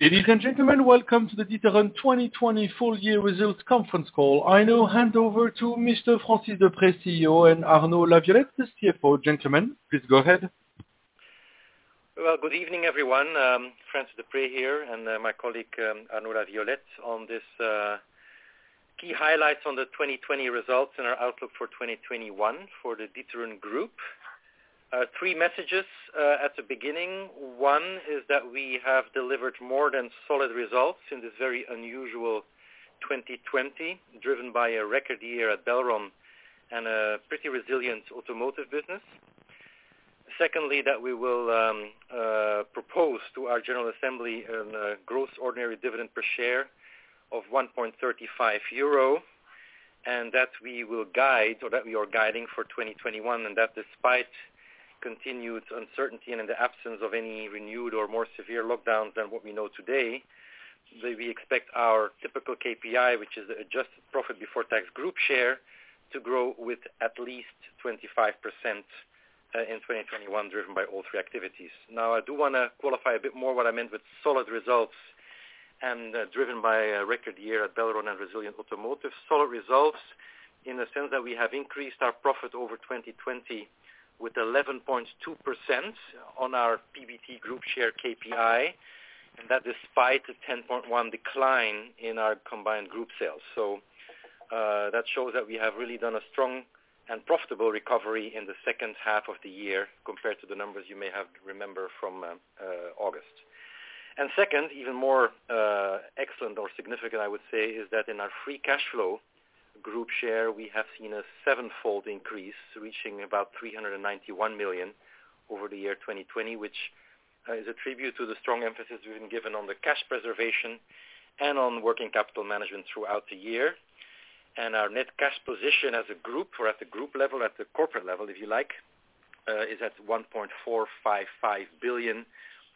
Ladies and gentlemen, welcome to the D'Ieteren 2020 full year results conference call. I now hand over to Mr. Francis Deprez, CEO, and Arnaud Laviolette, the CFO. Gentlemen, please go ahead. Good evening, everyone. Francis Deprez here, and my colleague, Arnaud Laviolette, on this key highlights on the 2020 results and our outlook for 2021 for the D'Ieteren Group. Three messages at the beginning. One is that we have delivered more than solid results in this very unusual 2020, driven by a record year at Belron and a pretty resilient automotive business. That we will propose to our general assembly a gross ordinary dividend per share of 1.35 euro and that we are guiding for 2021, and that despite continued uncertainty and in the absence of any renewed or more severe lockdowns than what we know today, we expect our typical KPI, which is adjusted profit before tax group share, to grow with at least 25% in 2021, driven by all three activities. I do want to qualify a bit more what I meant with solid results and driven by a record year at Belron and resilient automotive. Solid results in the sense that we have increased our profit over 2020 with 11.2% on our PBT group share KPI, and that despite a 10.1% decline in our combined group sales. That shows that we have really done a strong and profitable recovery in the second half of the year compared to the numbers you may remember from August. Second, even more excellent or significant, I would say, is that in our free cash flow group share, we have seen a sevenfold increase, reaching about 391 million over the year 2020, which is a tribute to the strong emphasis we've been given on the cash preservation and on working capital management throughout the year. Our net cash position as a group, or at the group level, at the corporate level, if you like, is at 1.455 billion.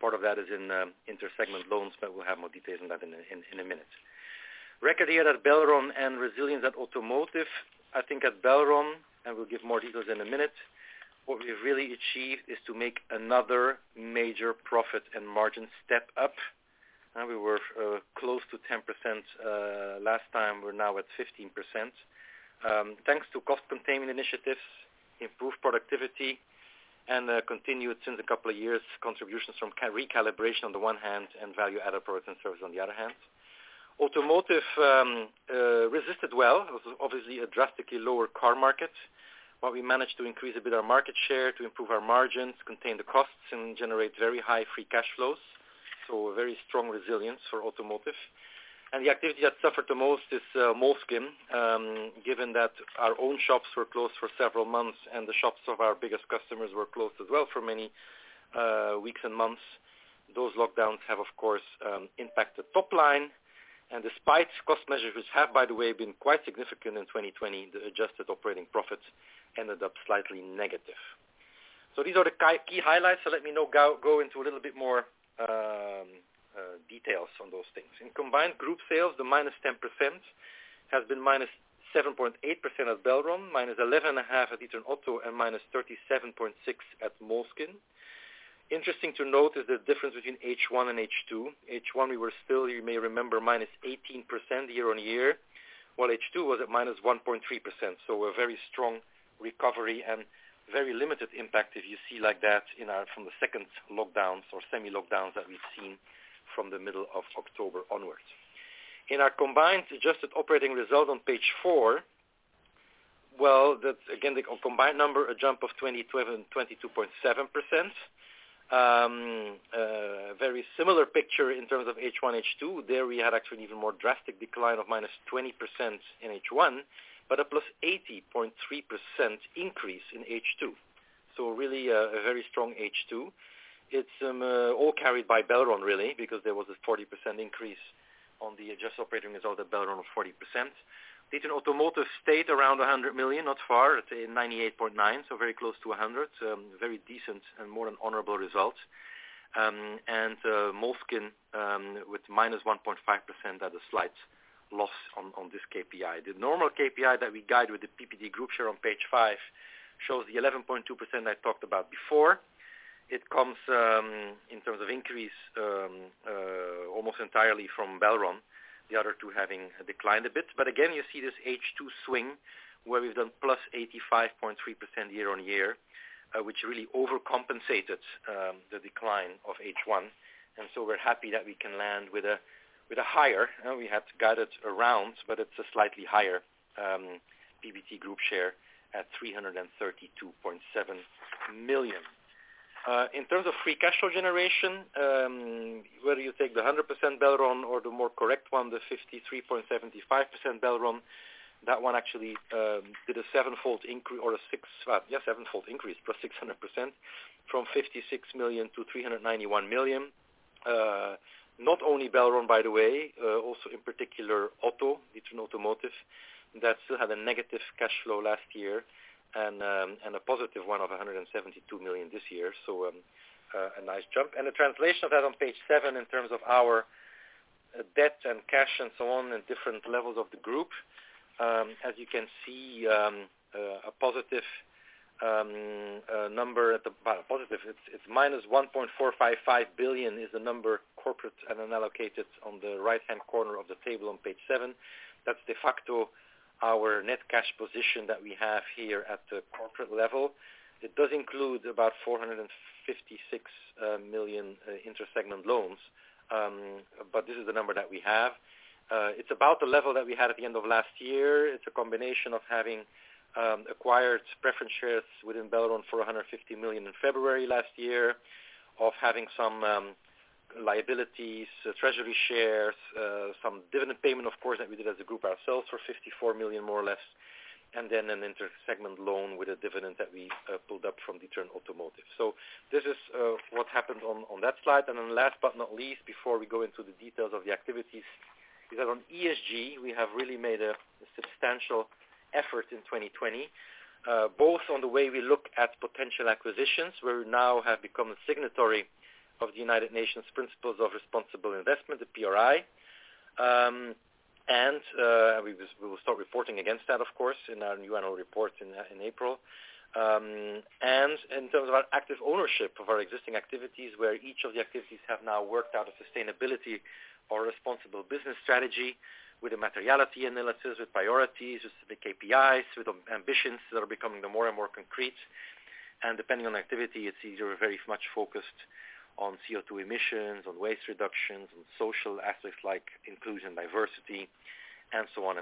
Part of that is in inter-segment loans, we'll have more details on that in a minute. Record year at Belron and resilience at Automotive. I think at Belron, we'll give more details in a minute, what we've really achieved is to make another major profit and margin step up. We were close to 10% last time, we're now at 15%. Thanks to cost containment initiatives, improved productivity, and continued, since a couple of years, contributions from recalibration on the one hand, and Value-added Products and Services on the other hand. Automotive resisted well. It was obviously a drastically lower car market, we managed to increase a bit our market share to improve our margins, contain the costs, and generate very high free cash flows. A very strong resilience for Automotive. The activity that suffered the most is Moleskine. Given that our own shops were closed for several months and the shops of our biggest customers were closed as well for many weeks and months, those lockdowns have, of course, impacted top line. Despite cost measures, which have, by the way, been quite significant in 2020, the adjusted operating profits ended up slightly negative. These are the key highlights. Let me now go into a little bit more details on those things. In combined group sales, the -10% has been -7.8% at Belron, -11.5% at D'Ieteren Auto, and -37.6% at Moleskine. Interesting to note is the difference between H1 and H2. H1, we were still, you may remember, -18% year-on-year, while H2 was at minus 1.3%. A very strong recovery and very limited impact, if you see like that, from the second lockdowns or semi-lockdowns that we've seen from the middle of October onwards. In our combined adjusted operating result on page four, well, that again, the combined number, a jump of 22.7%. Very similar picture in terms of H1, H2. There we had actually an even more drastic decline of minus 20% in H1, but a plus 80.3% increase in H2. Really a very strong H2. It is all carried by Belron really because there was a 40% increase on the adjusted operating result at Belron of 40%. D'Ieteren Automotive stayed around 100 million, not far at 98.9 million, so very close to 100 million. Very decent and more than honorable results. Moleskine with -1.5% had a slight loss on this KPI. The normal KPI that we guide with the PBT group share on page five shows the 11.2% I talked about before. It comes in terms of increase almost entirely from Belron, the other two having declined a bit. Again, you see this H2 swing where we've done +85.3% year-on-year, which really overcompensated the decline of H1. We're happy that we can land with a higher, we had to guide it around, but it's a slightly higher PBT group share at 332.7 million. In terms of free cash flow generation, whether you take the 100% Belron or the more correct one, the 53.75% Belron, that one actually did a sevenfold increase +600%, from 56 million-391 million. Not only Belron, by the way, also in particular D'Ieteren Automotive, that still had a negative cash flow last year and a positive one of 172 million this year, a nice jump. The translation of that on page seven in terms of our debt and cash and so on at different levels of the group. It's minus 1.455 billion is the number corporate and unallocated on the right-hand corner of the table on page seven. That's de facto our net cash position that we have here at the corporate level. It does include about 456 million inter-segment loans. This is the number that we have. It's about the level that we had at the end of last year. It's a combination of having acquired preference shares within Belron for 150 million in February last year, of having some liabilities, treasury shares, some dividend payment, of course, that we did as a group ourselves for 54 million, more or less, and then an inter-segment loan with a dividend that we pulled up from D'Ieteren Automotive. This is what happened on that slide. Last but not least, before we go into the details of the activities, is that on ESG, we have really made a substantial effort in 2020, both on the way we look at potential acquisitions, where we now have become a signatory of the United Nations Principles of Responsible Investment, the PRI. We will start reporting against that, of course, in our UN PRI report in April. In terms of our active ownership of our existing activities, where each of the activities have now worked out a sustainability or responsible business strategy with a materiality analysis, with priorities, with specific KPIs, with ambitions that are becoming more and more concrete. Depending on activity, it's either very much focused on CO2 emissions, on waste reductions, on social aspects like inclusion, diversity, and so on.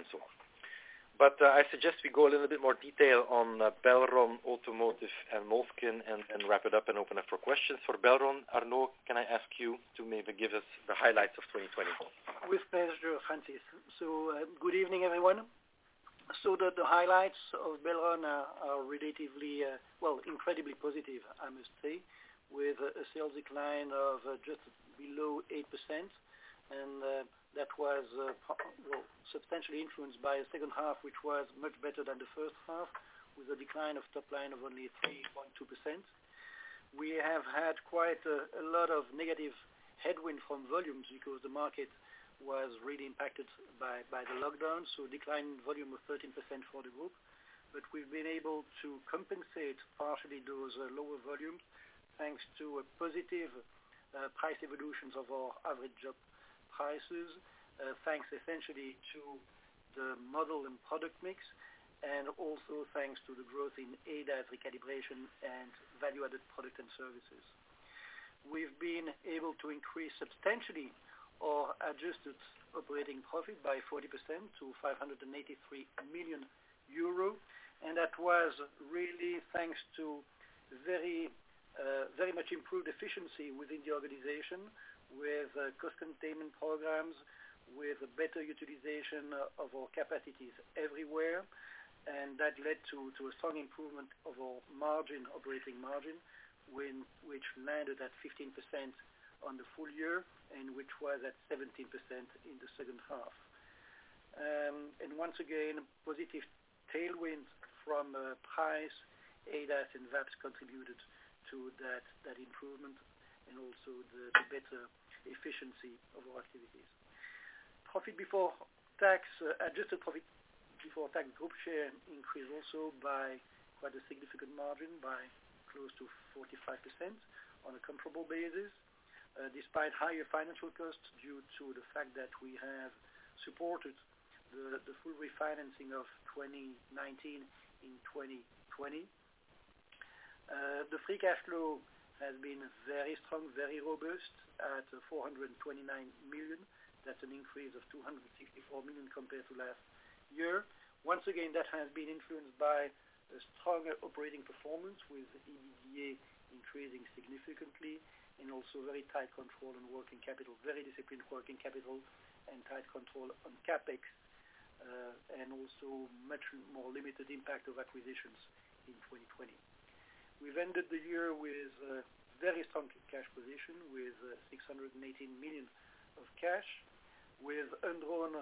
I suggest we go a little bit more detail on Belron, Automotive, and Moleskine and wrap it up and open up for questions. For Belron, Arnaud, can I ask you to maybe give us the highlights of 2020? With pleasure, Francis. Good evening, everyone. The highlights of Belron are relatively, incredibly positive, I must say, with a sales decline of just below 8%. That was substantially influenced by the second half which was much better than the first half, with a decline of top line of only 3.2%. We have had quite a lot of negative headwind from volumes because the market was really impacted by the lockdown, so decline volume of 13% for the group. We've been able to compensate partially those lower volumes thanks to positive price evolutions of our average job prices, thanks essentially to the model and product mix, and also thanks to the growth in ADAS recalibration and Value-added Products and Services. We've been able to increase substantially our adjusted operating profit by 40% to 583 million euro. That was really thanks to very much improved efficiency within the organization with cost containment programs, with better utilization of our capacities everywhere. That led to a strong improvement of our margin, operating margin, which landed at 15% on the full year and which was at 17% in the second half. Once again, positive tailwinds from price, ADAS, and VAPS contributed to that improvement and also the better efficiency of our activities. Adjusted profit before tax group share increased also by quite a significant margin by close to 45% on a comparable basis, despite higher financial costs due to the fact that we have supported the full refinancing of 2019 in 2020. The free cash flow has been very strong, very robust at 429 million. That's an increase of 264 million compared to last year. That has been influenced by a stronger operating performance with EBITDA increasing significantly and also very tight control on working capital, very disciplined working capital and tight control on CapEx, and also much more limited impact of acquisitions in 2020. We've ended the year with a very strong cash position with 618 million of cash with undrawn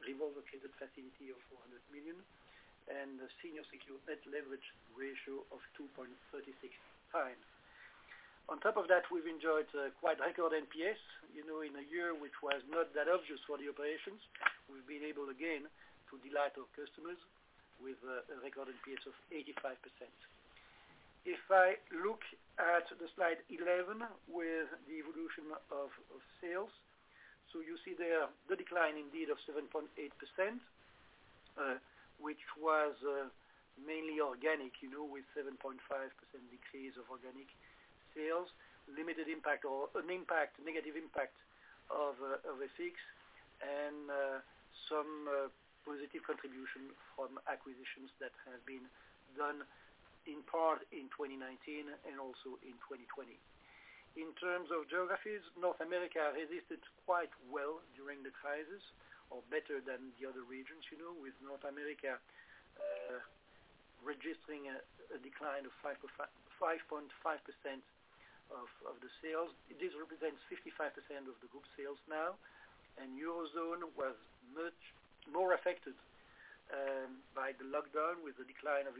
revolving credit facility of 400 million and a senior secured net leverage ratio of 2.36x. On top of that, we've enjoyed quite record NPS. In a year which was not that obvious for the operations, we've been able again to delight our customers with a record NPS of 85%. If I look at slide 11 with the evolution of sales, you see there the decline indeed of 7.8%, which was mainly organic, with 7.5% decrease of organic sales, limited impact or an impact, negative impact of FX and some positive contribution from acquisitions that have been done in part in 2019 and also in 2020. In terms of geographies, North America resisted quite well during the crisis or better than the other regions, with North America registering a decline of 5.5% of the sales. This represents 55% of the group sales now. Eurozone was much more affected by the lockdown with a decline of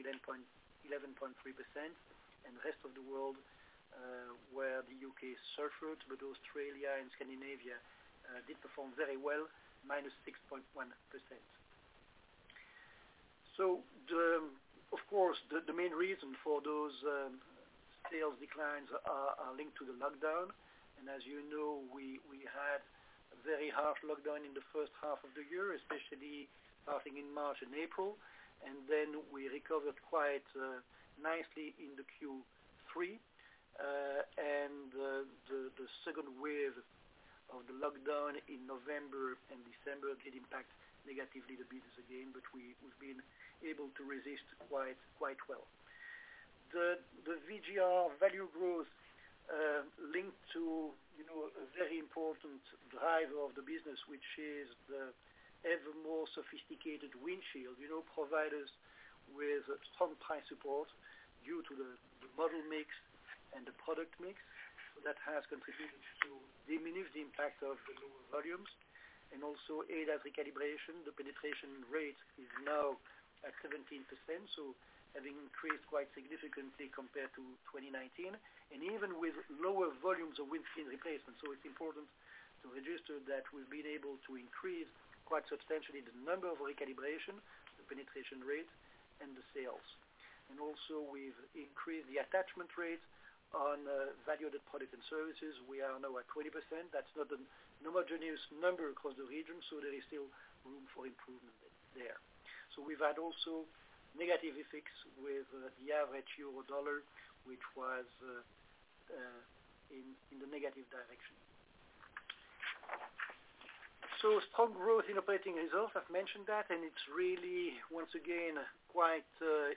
11.3% and rest of the world, where the U.K. suffered, but Australia and Scandinavia did perform very well, -6.1%. Of course, the main reason for those sales declines are linked to the lockdown. As you know, we had a very harsh lockdown in the first half of the year, especially starting in March and April. Then we recovered quite nicely in the Q3. The second wave of the lockdown in November and December did impact negatively the business again, but we've been able to resist quite well. The VGR value growth linked to a very important driver of the business, which is the ever more sophisticated windshield, provide us with strong price support due to the model mix and the product mix. That has contributed to diminish the impact of the lower volumes and also ADAS recalibration. The penetration rate is now at 17%, having increased quite significantly compared to 2019. Even with lower volumes of windshield replacement, so it's important to reduce to that, we've been able to increase quite substantially the number of recalibration, the penetration rate, and the sales. Also, we've increased the attachment rate on Value-Added Products and Services. We are now at 20%. That's not a homogeneous number across the region, so there is still room for improvement there. We've had also negative effects with the average EUR/USD, which was in the negative direction. Strong growth in operating results, I've mentioned that, and it's really, once again, quite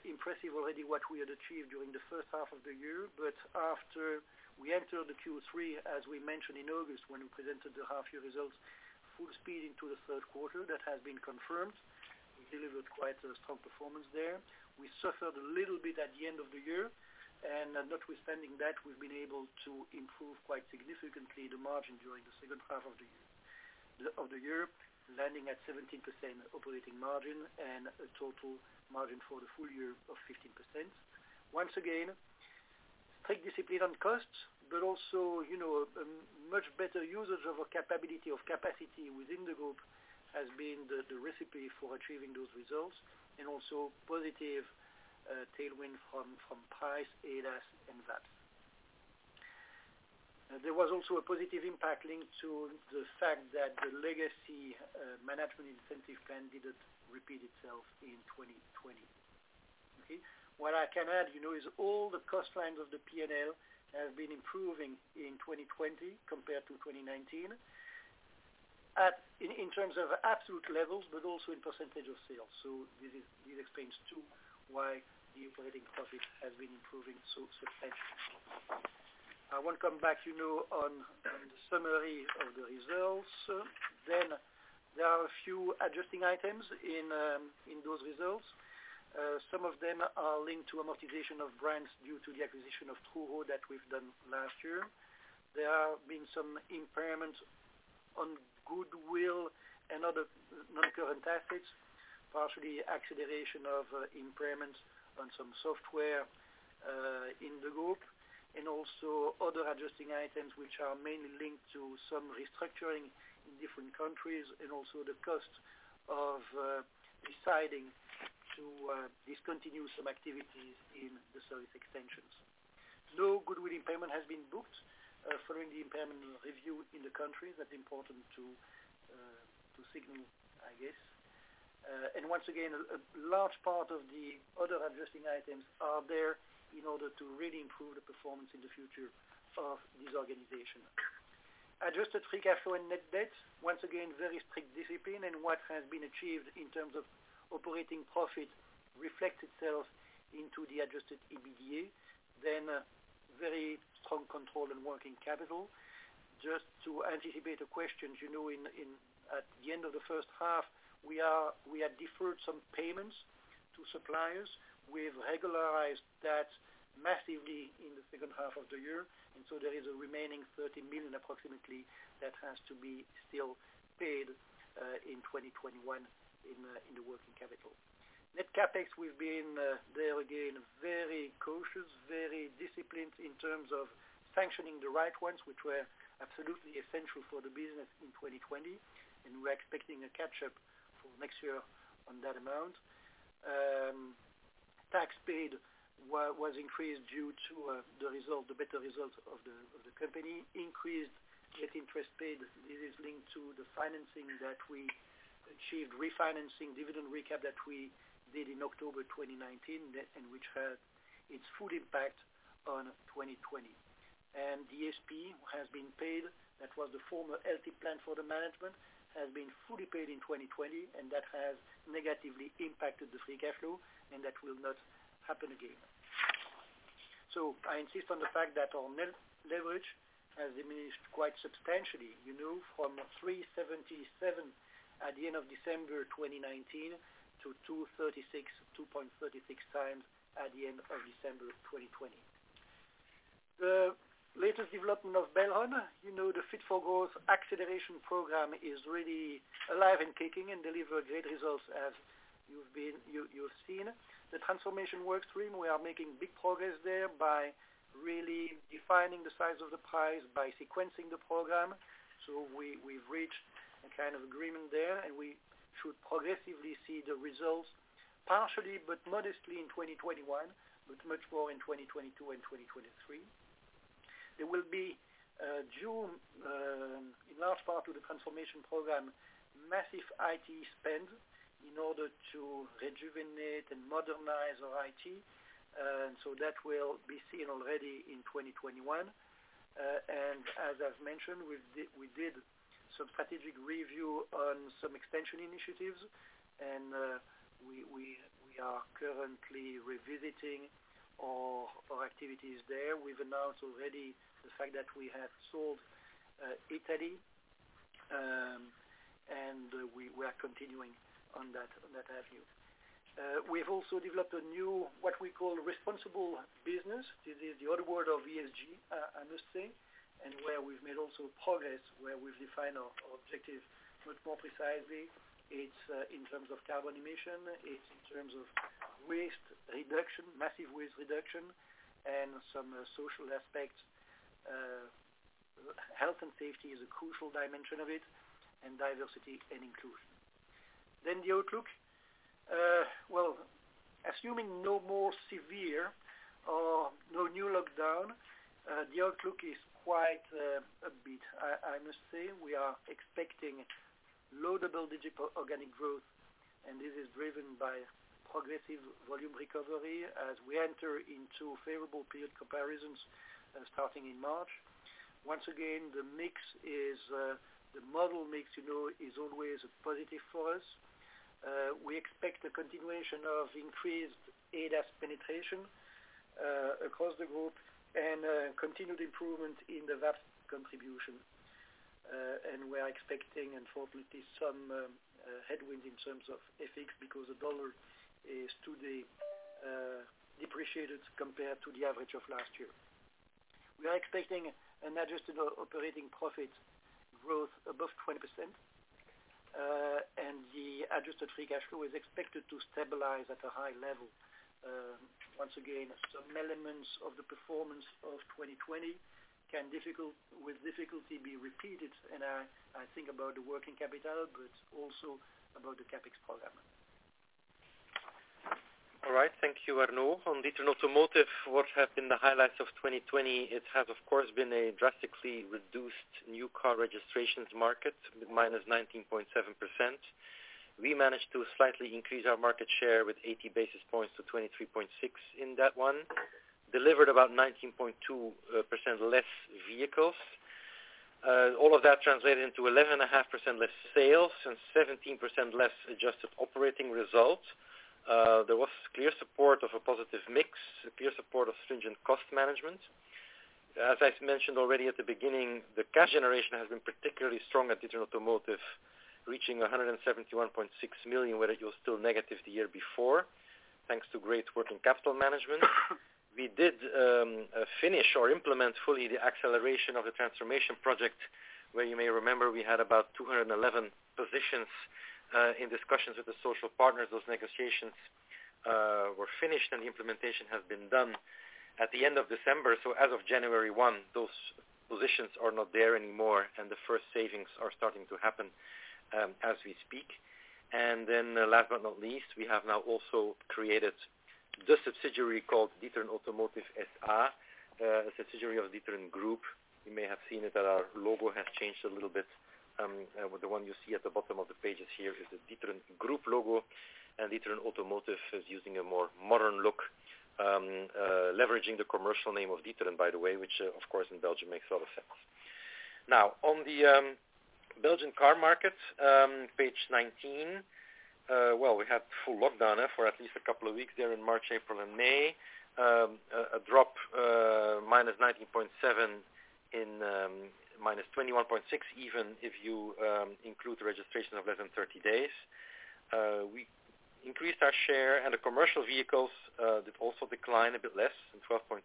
impressive already what we had achieved during the first half of the year. After we entered the Q3, as we mentioned in August when we presented the half-year results, full speed into the third quarter, that has been confirmed. We delivered quite a strong performance there. We suffered a little bit at the end of the year. Notwithstanding that, we've been able to improve quite significantly the margin during the second half of the year, landing at 17% operating margin and a total margin for the full year of 15%. Tight discipline on costs, also, a much better usage of our capability of capacity within the group has been the recipe for achieving those results, also positive tailwind from price, ADAS, and VAPS. There was also a positive impact linked to the fact that the legacy management incentive plan didn't repeat itself in 2020. What I can add, is all the cost lines of the P&L have been improving in 2020 compared to 2019 in terms of absolute levels, also in percentage of sales. This explains too why the operating profit has been improving so substantially. I want to come back on the summary of the results. There are a few adjusting items in those results. Some of them are linked to amortization of brands due to the acquisition of TruRoad that we've done last year. There have been some impairments on goodwill and other non-current assets, partially acceleration of impairments on some software in the group, and also other adjusting items which are mainly linked to some restructuring in different countries, and also the cost of deciding to discontinue some activities in the service extensions. No goodwill impairment has been booked following the impairment review in the countries. That's important to signal, I guess. Once again, a large part of the other adjusting items are there in order to really improve the performance in the future of this organization. Adjusted free cash flow and net debt, once again, very strict discipline and what has been achieved in terms of operating profit reflects itself into the adjusted EBITDA, very strong control in working capital. Just to anticipate the questions, at the end of the first half, we had deferred some payments to suppliers. We've regularized that massively in the second half of the year, there is a remaining 30 million approximately that has to be still paid in 2021 in the working capital. Net CapEx, we've been there again, very cautious, very disciplined in terms of sanctioning the right ones, which were absolutely essential for the business in 2020, we're expecting a catch-up for next year on that amount. Tax paid was increased due to the better results of the company. Increased net interest paid, this is linked to the refinancing that we achieved, refinancing dividend recap that we did in October 2019, and which had its full impact on 2020. DSP has been paid. That was the former LT plan for the management, has been fully paid in 2020, that has negatively impacted the free cash flow, that will not happen again. I insist on the fact that our net leverage has diminished quite substantially, from 377 at the end of December 2019 to 236, 2.36x at the end of December 2020. The latest development of Belron. The Fit for Growth acceleration program is really alive and kicking and delivered great results as you've seen. The transformation work stream, we are making big progress there by really defining the size of the prize, by sequencing the program. We've reached an agreement there, and we should progressively see the results. Partially, but modestly in 2021, but much more in 2022 and 2023. There will be due, in large part to the transformation program, massive IT spend in order to rejuvenate and modernize our IT. That will be seen already in 2021. As I've mentioned, we did some strategic review on some expansion initiatives, and we are currently revisiting our activities there. We've announced already the fact that we have sold Italy, and we are continuing on that avenue. We've also developed a new, what we call responsible business. This is the other word of ESG, I must say, and where we've made also progress, where we've defined our objective much more precisely. It's in terms of carbon emission, it's in terms of waste reduction, massive waste reduction and some social aspects. Health and safety is a crucial dimension of it and diversity and inclusion. The outlook. Well, assuming no more severe or no new lockdown, the outlook is quite upbeat. I must say, we are expecting low double-digit organic growth, and this is driven by progressive volume recovery as we enter into favorable period comparisons starting in March. Once again, the model mix is always a positive for us. We expect a continuation of increased ADAS penetration across the group and continued improvement in the VAPS contribution. We are expecting, unfortunately, some headwind in terms of FX because the US dollar is today depreciated compared to the average of last year. We are expecting an adjusted operating profit growth above 20%, and the adjusted free cash flow is expected to stabilize at a high level. Once again, some elements of the performance of 2020 can, with difficulty, be repeated. I think about the working capital, but also about the CapEx program. All right. Thank you, Arnaud. On D'Ieteren Automotive, what have been the highlights of 2020? It has, of course, been a drastically reduced new car registrations market, with -19.7%. We managed to slightly increase our market share with 80 basis points to 23.6 in that one. Delivered about 19.2% less vehicles. All of that translated into 11.5% less sales and 17% less adjusted operating results. There was clear support of a positive mix, clear support of stringent cost management. As I've mentioned already at the beginning, the cash generation has been particularly strong at D'Ieteren Automotive, reaching 171.6 million, where it was still negative the year before, thanks to great working capital management. We did finish or implement fully the acceleration of the transformation project, where you may remember we had about 211 positions in discussions with the social partners. Those negotiations were finished, the implementation has been done at the end of December. As of January 1, those positions are not there anymore, and the first savings are starting to happen as we speak. Last but not least, we have now also created the subsidiary called D'Ieteren Automotive SA, a subsidiary of D'Ieteren Group. You may have seen it, that our logo has changed a little bit. The one you see at the bottom of the pages here is the D'Ieteren Group logo, and D'Ieteren Automotive is using a more modern look, leveraging the commercial name of D'Ieteren, by the way, which of course, in Belgium makes a lot of sense. On the Belgian car market, page 19. We had full lockdown for at least a couple of weeks there in March, April and May. A drop, -19.7% in -21.6% even if you include the registration of less than 30 days. We increased our share and the commercial vehicles did also decline a bit less than 12.2%.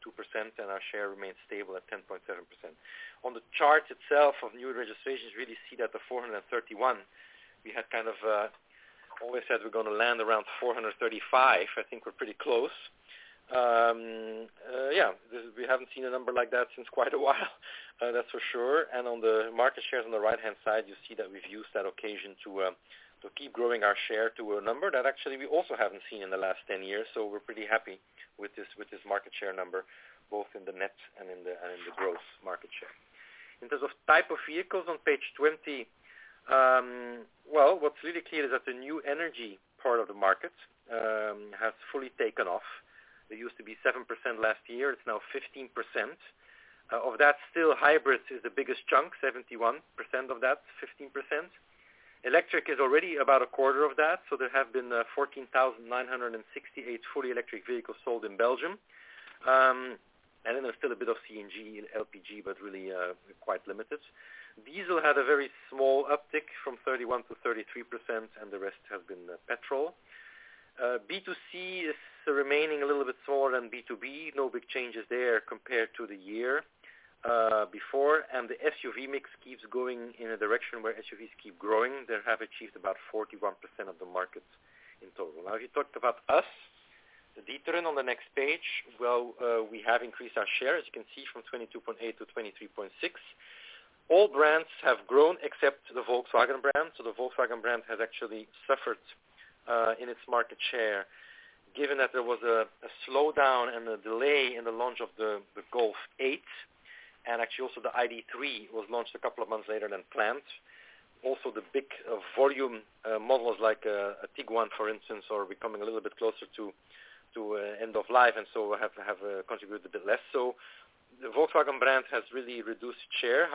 Our share remains stable at 10.7%. On the chart itself of new registrations, really see that the 431, we had kind of always said we're going to land around 435. I think we're pretty close. We haven't seen a number like that since quite a while, that's for sure. On the market shares on the right-hand side, you see that we've used that occasion to keep growing our share to a number that actually we also haven't seen in the last 10 years. We're pretty happy with this market share number, both in the net and in the gross market share. In terms of type of vehicles on page 20. Well, what's really clear is that the new energy part of the market has fully taken off. It used to be 7% last year. It's now 15%. Of that, still hybrids is the biggest chunk, 71% of that, 15%. Electric is already about a quarter of that. There have been 14,968 fully electric vehicles sold in Belgium. There's still a bit of CNG and LPG, but really quite limited. Diesel had a very small uptick from 31%-33%, and the rest have been petrol. B2C is remaining a little bit smaller than B2B. No big changes there compared to the year before. The SUV mix keeps going in a direction where SUVs keep growing. They have achieved about 41% of the market in total. Now he talked about D'Ieteren on the next page. We have increased our share, as you can see, from 22.8%-23.6%. All brands have grown except the Volkswagen brand. The Volkswagen brand has actually suffered in its market share, given that there was a slowdown and a delay in the launch of the Golf 8, and actually also the ID.3 was launched a couple of months later than planned. The big volume models like Tiguan, for instance, are becoming a little bit closer to end of life, and so have contributed a bit less. The Volkswagen brand has really reduced share.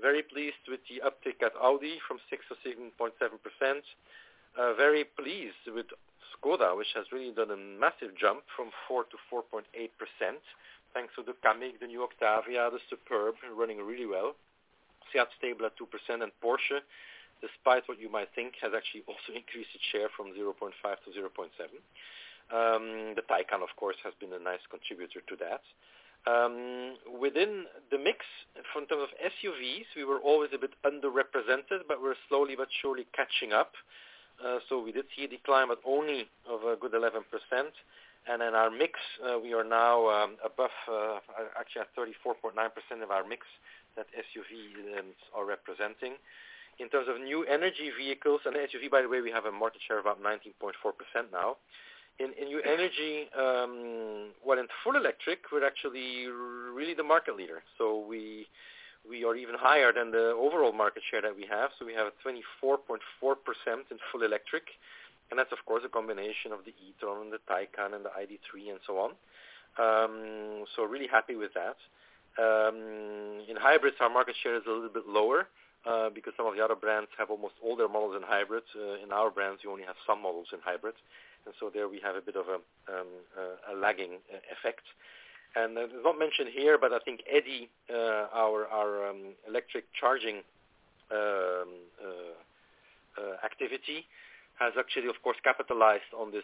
Very pleased with the uptick at Audi from 6%-7.7%. Very pleased with Škoda, which has really done a massive jump from 4%-4.8%, thanks to the Kamiq, the new Octavia, the Superb running really well. SEAT stable at 2% and Porsche, despite what you might think, has actually also increased its share from 0.5%-0.7%. The Taycan, of course, has been a nice contributor to that. Within the mix in front of SUVs, we were always a bit underrepresented, but we're slowly but surely catching up. We did see a decline, but only of a good 11%. In our mix, we are now above, actually at 34.9% of our mix that SUVs are representing. In terms of new energy vehicles and SUV, by the way, we have a market share of about 19.4% now. In new energy, well, in full electric, we're actually really the market leader. We are even higher than the overall market share that we have. We have 24.4% in full electric, and that's of course, a combination of the e-tron, the Taycan, and the ID.3, and so on. Really happy with that. In hybrids, our market share is a little bit lower because some of the other brands have almost all their models in hybrids. In our brands, you only have some models in hybrids. There we have a bit of a lagging effect. It's not mentioned here, but I think EDI, our electric charging activity, has actually, of course, capitalized on this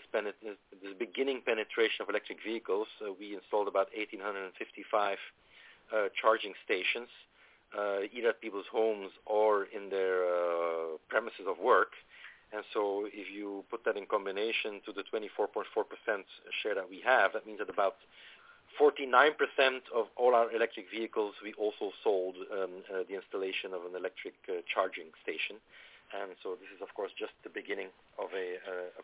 beginning penetration of electric vehicles. We installed about 1,855 charging stations, either at people's homes or in their premises of work. If you put that in combination to the 24.4% share that we have, that means that about 49% of all our electric vehicles, we also sold the installation of an electric charging station. This is of course, just the beginning of a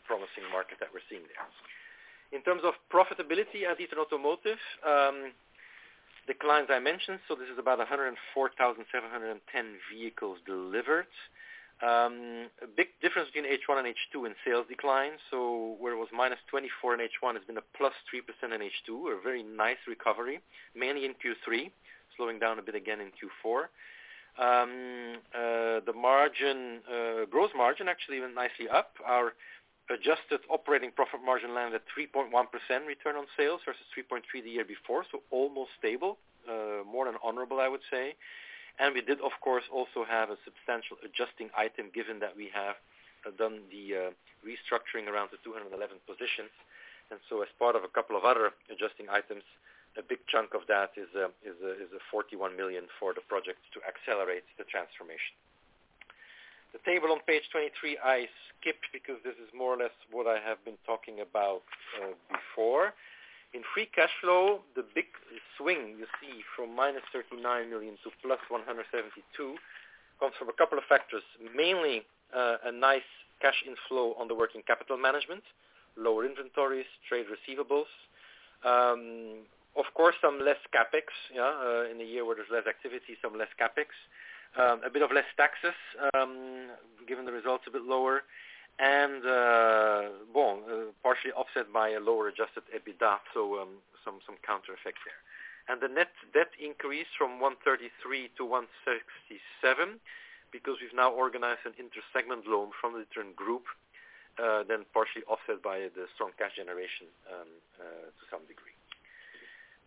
promising market that we're seeing there. In terms of profitability at D'Ieteren Automotive, declines I mentioned. This is about 104,710 vehicles delivered. A big difference between H1 and H2 in sales decline. Where it was -24% in H1, it's been a +3% in H2, a very nice recovery, mainly in Q3, slowing down a bit again in Q4. The gross margin, actually even nicely up. Our adjusted operating profit margin landed at 3.1% return on sales versus 3.3% the year before. Almost stable, more than honorable, I would say. We did of course also have a substantial adjusting item given that we have done the restructuring around the 211 positions. As part of a couple of other adjusting items, a big chunk of that is a 41 million for the project to accelerate the transformation. The table on page 23, I skipped because this is more or less what I have been talking about before. In free cash flow, the big swing you see from -39 million to +172 million comes from a couple of factors, mainly a nice cash inflow on the working capital management, lower inventories, trade receivables. Of course, some less CapEx, in a year where there's less activity, some less CapEx. A bit of less taxes, given the results a bit lower. Partially offset by a lower adjusted EBITDA, so some counter effect there. The net debt increased from 133 million-167 million because we've now organized an inter-segment loan from D'Ieteren Group, then partially offset by the strong cash generation to some degree.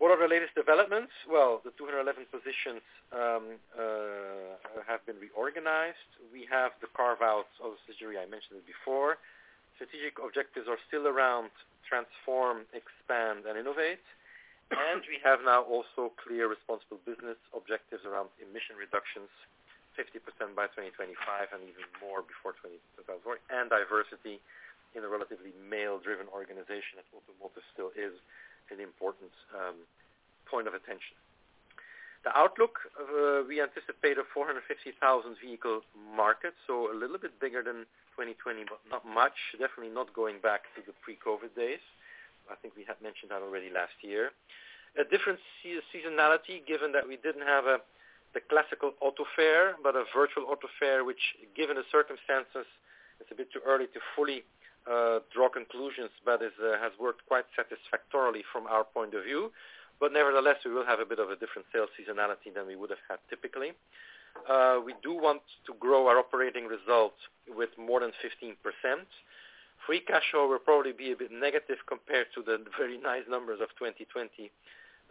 What are our latest developments? Well, the 211 positions have been reorganized. We have the carve-outs of Cecuri, I mentioned it before. Strategic objectives are still around transform, expand, and innovate. We have now also clear responsible business objectives around emission reductions, 50% by 2025 and even more before 2030. Diversity in a relatively male-driven organization at D'Ieteren Automotive still is an important point of attention. The outlook, we anticipate a 450,000 vehicle market, so a little bit bigger than 2020, but not much. Definitely not going back to the pre-COVID days. I think we had mentioned that already last year. A different seasonality, given that we didn't have the classical auto fair, but a virtual auto fair, which given the circumstances, it's a bit too early to fully draw conclusions, but it has worked quite satisfactorily from our point of view. Nevertheless, we will have a bit of a different sales seasonality than we would have had typically. We do want to grow our operating results with more than 15%. Free cash flow will probably be a bit negative compared to the very nice numbers of 2020,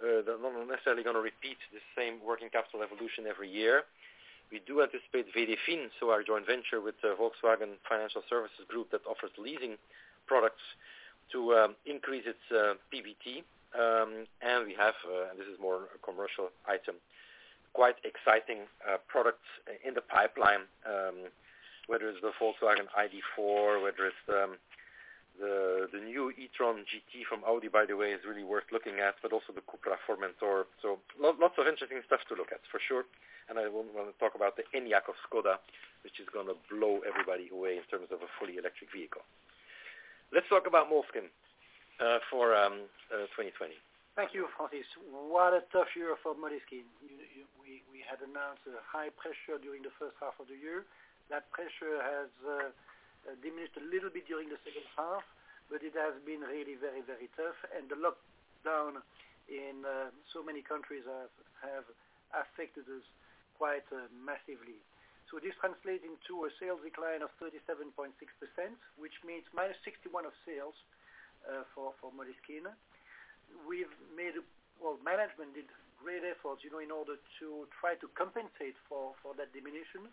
that we're not necessarily going to repeat the same working capital evolution every year. We do anticipate VDFin, so our joint venture with the Volkswagen Financial Services group that offers leasing products to increase its PBT. We have, and this is more a commercial item, quite exciting products in the pipeline, whether it's the Volkswagen ID.4, whether it's the new e-tron GT from Audi, by the way, is really worth looking at, but also the CUPRA Formentor. Lots of interesting stuff to look at, for sure. I won't even want to talk about the Enyaq of Škoda, which is going to blow everybody away in terms of a fully electric vehicle. Let's talk about Moleskine for 2020. Thank you, Francis. What a tough year for Moleskine. We had announced a high pressure during the first half of the year. That pressure has diminished a little bit during the second half, it has been really very, very tough. The lockdown in so many countries have affected us quite massively. This translating to a sales decline of 37.6%, which means -61 of sales for Moleskine. Management did great efforts in order to try to compensate for that diminution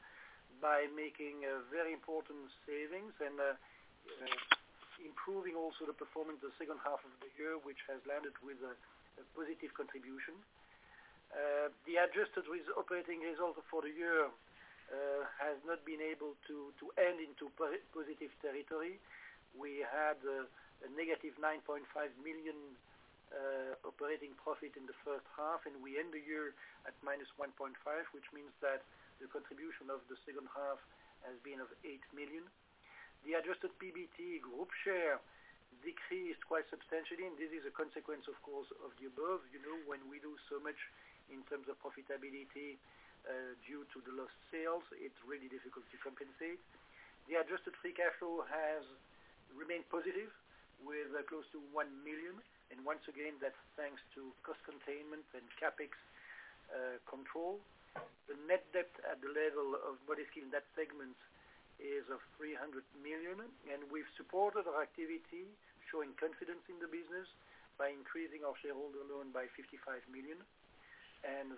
by making very important savings and improving also the performance the second half of the year, which has landed with a positive contribution. The adjusted operating result for the year has not been able to end into positive territory. We had a -9.5 million operating profit in the first half, and we end the year at -1.5 million, which means that the contribution of the second half has been of 8 million. The adjusted PBT group share decreased quite substantially, and this is a consequence, of course, of the above. When we lose so much in terms of profitability due to the lost sales, it's really difficult to compensate. The adjusted free cash flow has remained positive with close to 1 million. Once again, that's thanks to cost containment and CapEx control. The net debt at the level of Moleskine, that segment is of 300 million, and we've supported our activity, showing confidence in the business by increasing our shareholder loan by 55 million.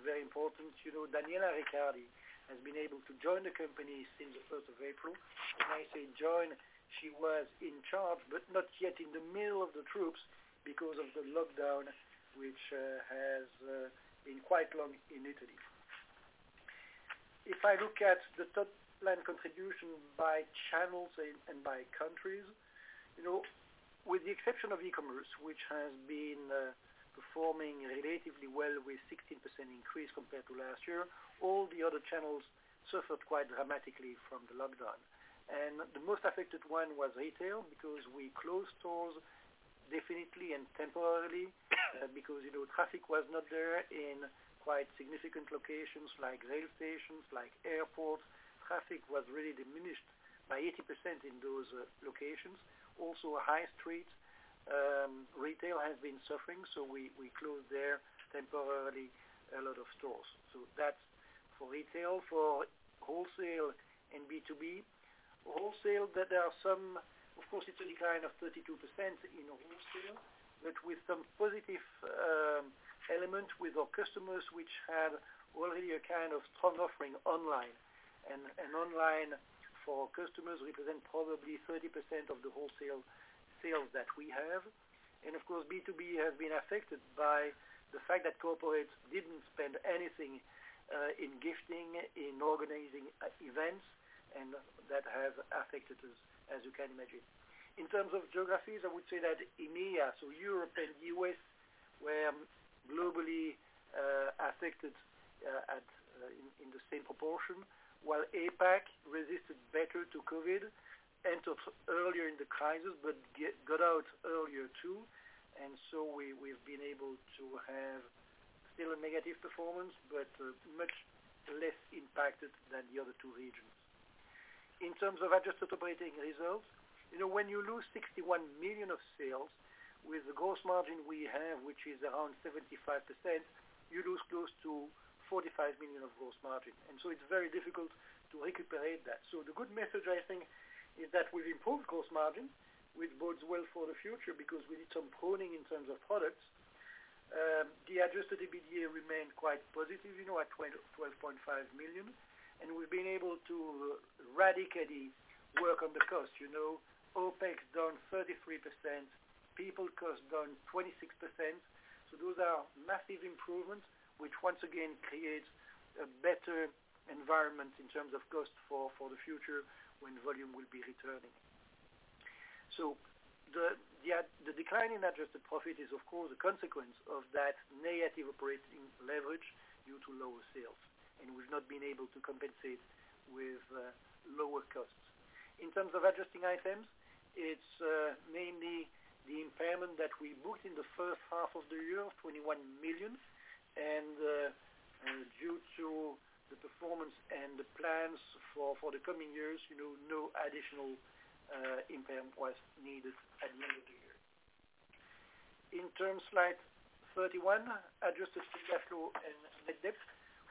Very important, Daniela Riccardi has been able to join the company since the 1st of April. When I say join, she was in charge but not yet in the middle of the troops because of the lockdown, which has been quite long in Italy. If I look at the top-line contribution by channels and by countries, with the exception of e-commerce, which has been performing relatively well with 16% increase compared to last year, all the other channels suffered quite dramatically from the lockdown. The most affected one was retail because we closed stores definitely and temporarily because traffic was not there in quite significant locations like rail stations, like airports. Traffic was really diminished by 80% in those locations. Also high street retail has been suffering, so we closed there temporarily a lot of stores. That's for retail. For wholesale and B2B. Wholesale, of course, it's a decline of 32% in wholesale, but with some positive elements with our customers, which had already a kind of strong offering online. Online for our customers represent probably 30% of the wholesale sales that we have. Of course, B2B has been affected by the fact that corporates didn't spend anything in gifting, in organizing events, and that has affected us, as you can imagine. In terms of geographies, I would say that EMEA, so Europe and U.S., were globally affected in the same proportion, while APAC resisted better to COVID, entered earlier in the crisis, but got out earlier, too. We've been able to have still a negative performance, but much less impacted than the other two regions. In terms of adjusted operating results, when you lose 61 million of sales with the gross margin we have, which is around 75%, you lose close to 45 million of gross margin. It's very difficult to recuperate that. The good method, I think, is that we've improved gross margin, which bodes well for the future because we need some pruning in terms of products. The adjusted EBITDA remained quite positive at 12.5 million, and we've been able to radically work on the cost. OpEx down 33%, people cost down 26%. Those are massive improvements, which once again creates a better environment in terms of cost for the future when volume will be returning. The decline in adjusted profit is, of course, a consequence of that negative operating leverage due to lower sales. We've not been able to compensate with lower costs. In terms of adjusting items, it is mainly the impairment that we booked in the first half of the year, 21 million. Due to the performance and the plans for the coming years, no additional impairment was needed at the end of the year. In terms, slide 31, adjusted free cash flow and net debt.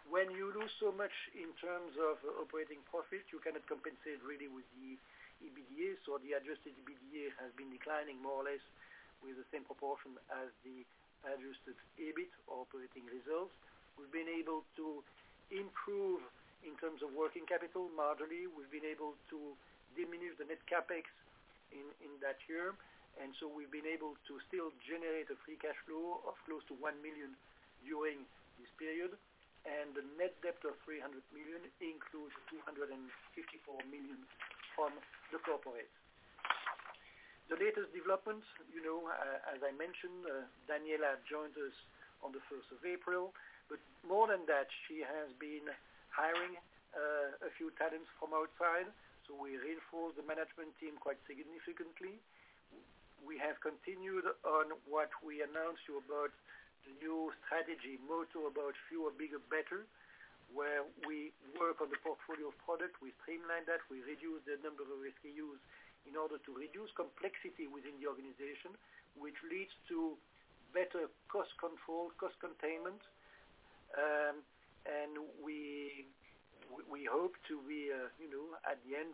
When you lose so much in terms of operating profit, you cannot compensate really with the EBITDA. The adjusted EBITDA has been declining more or less with the same proportion as the adjusted EBIT or operating results. We have been able to improve in terms of working capital marginally. We have been able to diminish the net CapEx in that year. We have been able to still generate a free cash flow of close to 1 million during this period. The net debt of 300 million includes 254 million from the corporate. The latest developments, as I mentioned, Daniela joined us on the 1st of April. More than that, she has been hiring a few talents from outside. We reinforced the management team quite significantly. We have continued on what we announced you about the new strategy motto, about fewer, bigger, better, where we work on the portfolio of product. We streamline that. We reduce the number of SKUs in order to reduce complexity within the organization, which leads to better cost control, cost containment. We hope to be at the end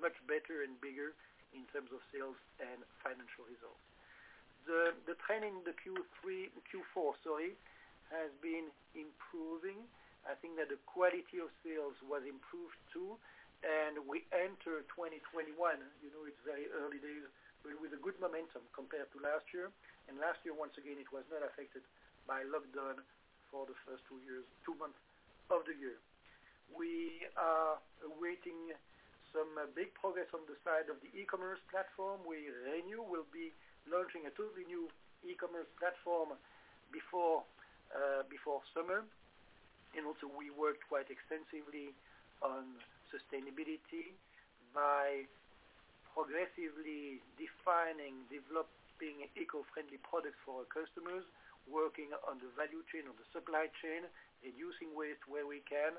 much better and bigger in terms of sales and financial results. The trend in the Q4 has been improving. I think that the quality of sales was improved too. We enter 2021, you know it's very early days, but with a good momentum compared to last year. Last year, once again, it was not affected by lockdown for the first two months of the year. We are awaiting some big progress on the side of the e-commerce platform. We'll be launching a totally new e-commerce platform before summer. Also we worked quite extensively on sustainability by progressively defining, developing eco-friendly products for our customers, working on the value chain, on the supply chain, reducing waste where we can,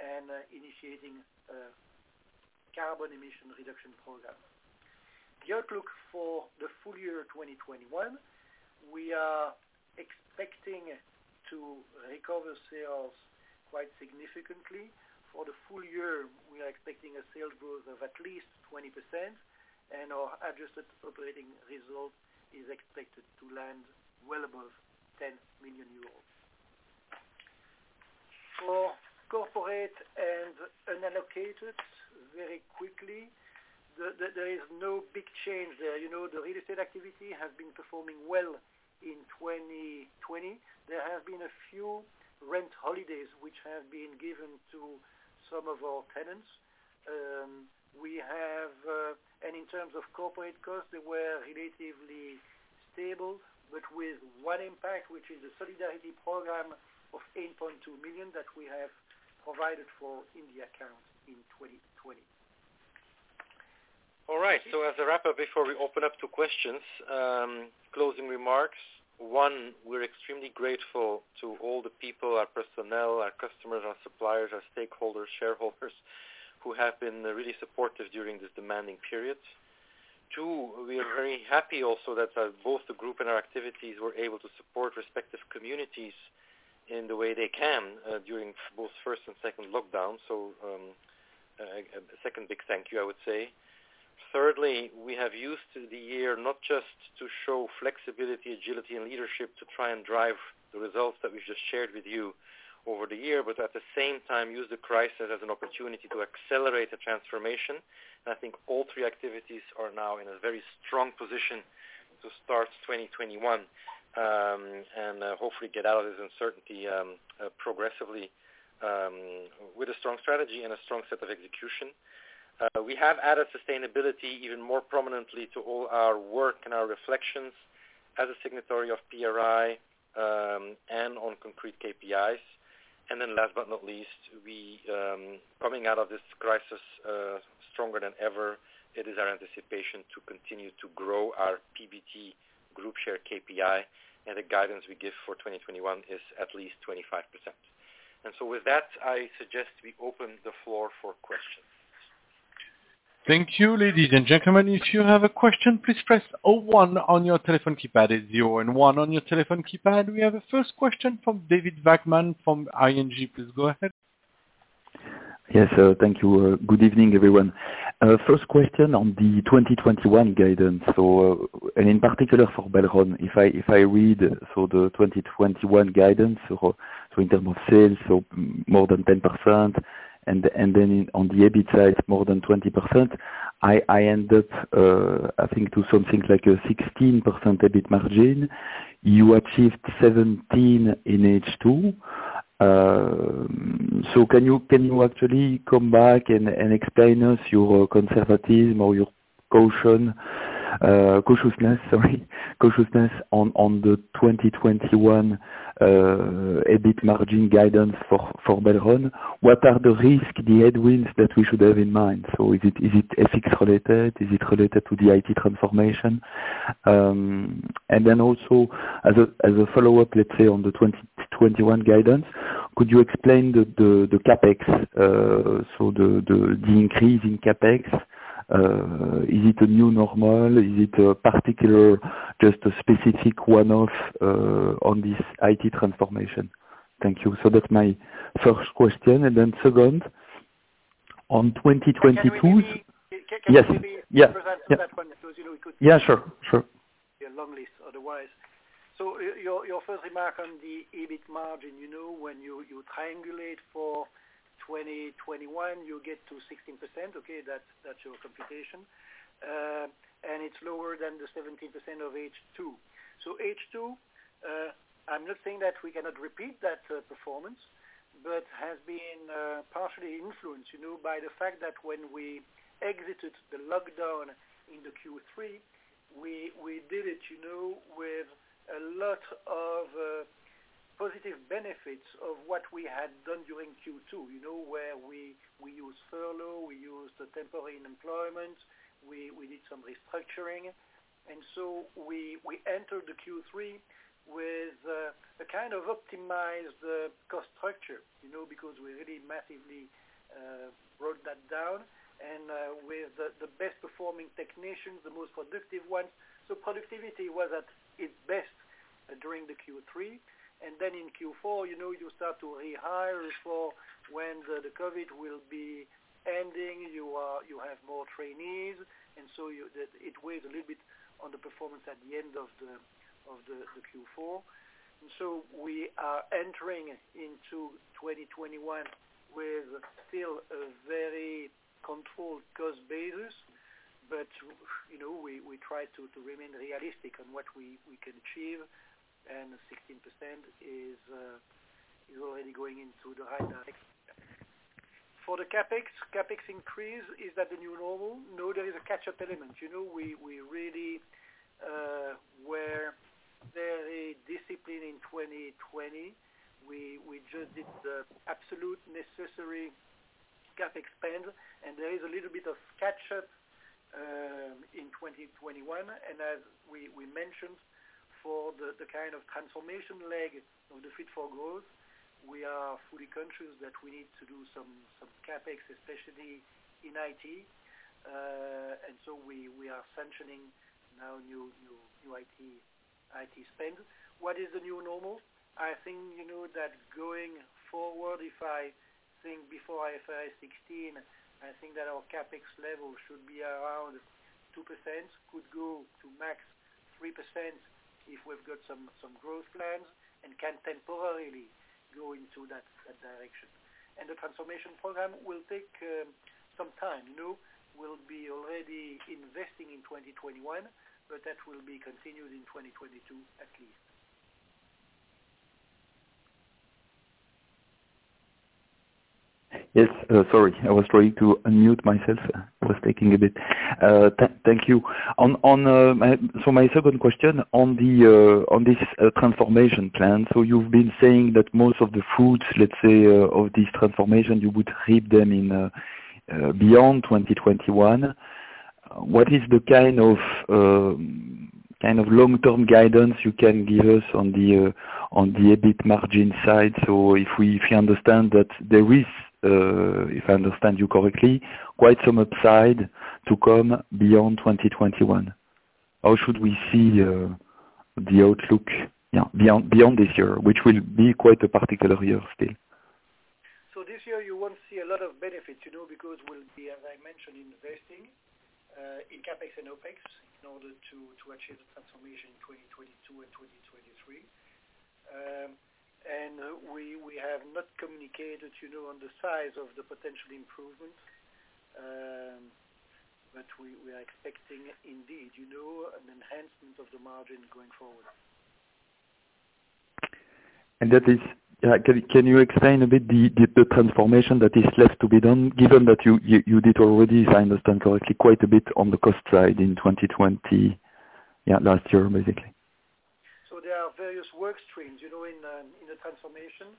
and initiating a carbon emission reduction program. The outlook for the full year 2021, we are expecting to recover sales quite significantly. For the full year, we are expecting a sales growth of at least 20%, and our adjusted operating result is expected to land well above 10 million euros. For corporate and unallocated, very quickly, there is no big change there. The real estate activity has been performing well in 2020. There have been a few rent holidays which have been given to some of our tenants. In terms of corporate costs, they were relatively stable, but with one impact, which is a solidarity program of 8.2 million that we have provided for in the accounts in 2020. All right. As a wrap-up before we open up to questions, closing remarks. One, we're extremely grateful to all the people, our personnel, our customers, our suppliers, our stakeholders, shareholders who have been really supportive during this demanding period. Two, we are very happy also that both the group and our activities were able to support respective communities in the way they can during both first and second lockdown. A second big thank you, I would say. Thirdly, we have used the year not just to show flexibility, agility, and leadership to try and drive the results that we've just shared with you over the year, but at the same time use the crisis as an opportunity to accelerate the transformation. I think all three activities are now in a very strong position to start 2021, and hopefully get out of this uncertainty progressively with a strong strategy and a strong set of execution. We have added sustainability even more prominently to all our work and our reflections as a signatory of PRI, and on concrete KPIs. Last but not least, coming out of this crisis stronger than ever, it is our anticipation to continue to grow our PBT group share KPI, and the guidance we give for 2021 is at least 25%. With that, I suggest we open the floor for questions. Thank you, ladies and gentlemen. If you have a question, please press O one on your telephone keypad, it's zero and one on your telephone keypad. We have a first question from David Vagman from ING. Please go ahead. Yes, thank you. Good evening, everyone. First question on the 2021 guidance, and in particular for Belron. If I read the 2021 guidance, in term of sales, more than 10%, and then on the EBIT side, more than 20%, I end up, I think to something like a 16% EBIT margin. You achieved 17% in H2. Can you actually come back and explain us your conservatism or your cautiousness on the 2021 EBIT margin guidance for Belron? What are the risks, the headwinds that we should have in mind? Is it FX related? Is it related to the IT transformation? As a follow-up, let's say on the 2021 guidance, could you explain the CapEx? The increase in CapEx, is it a new normal? Is it a particular, just a specific one-off on this IT transformation? Thank you. That's my first question. Second, on 2022. Can we maybe- Yes. Can we maybe present that one? Yeah, sure. Otherwise, your first remark on the EBIT margin, when you triangulate for 2021, you get to 16%. Okay, that's your computation. It's lower than the 17% of H2. H2, I'm not saying that we cannot repeat that performance, but has been partially influenced by the fact that when we exited the lockdown in the Q3, we did it with a lot of positive benefits of what we had done during Q2, where we used furlough, we used temporary employment, we did some restructuring. We entered the Q3 with a kind of optimized cost structure, because we really massively brought that down and with the best performing technicians, the most productive ones. Productivity was at its best during the Q3. In Q4, you start to rehire for when the COVID will be ending. You have more trainees, it weighs a little bit on the performance at the end of the Q4. We are entering into 2021 with still a very controlled cost basis. We try to remain realistic on what we can achieve, 16% is already going into the right direction. For the CapEx increase, is that the new normal? No, there is a catch-up element. We really were very disciplined in 2020. We just did the absolute necessary CapEx spend, and there is a little bit of catch-up in 2021. As we mentioned, for the kind of transformation leg of the Fit for Growth, we are fully conscious that we need to do some CapEx, especially in IT. We are sanctioning now new IT spend. What is the new normal? I think that going forward, if I think before IFRS 16, I think that our CapEx level should be around 2%, could go to max 3% if we've got some growth plans and can temporarily go into that direction. The transformation program will take some time. We'll be already investing in 2021, but that will be continued in 2022 at least. Yes. Sorry, I was trying to unmute myself. It was taking a bit. Thank you. My second question on this transformation plan. You've been saying that most of the fruits, let's say, of this transformation, you would reap them beyond 2021. What is the kind of long-term guidance you can give us on the EBIT margin side? If we understand that there is, if I understand you correctly, quite some upside to come beyond 2021. How should we see the outlook beyond this year, which will be quite a particular year still? This year you won't see a lot of benefit, because we'll be, as I mentioned, investing in CapEx and OpEx in order to achieve the transformation in 2022 and 2023. We have not communicated on the size of the potential improvement. We are expecting indeed, an enhancement of the margin going forward. Can you explain a bit the transformation that is left to be done, given that you did already, if I understand correctly, quite a bit on the cost side in 2020, last year, basically? There are various work streams in the transformation.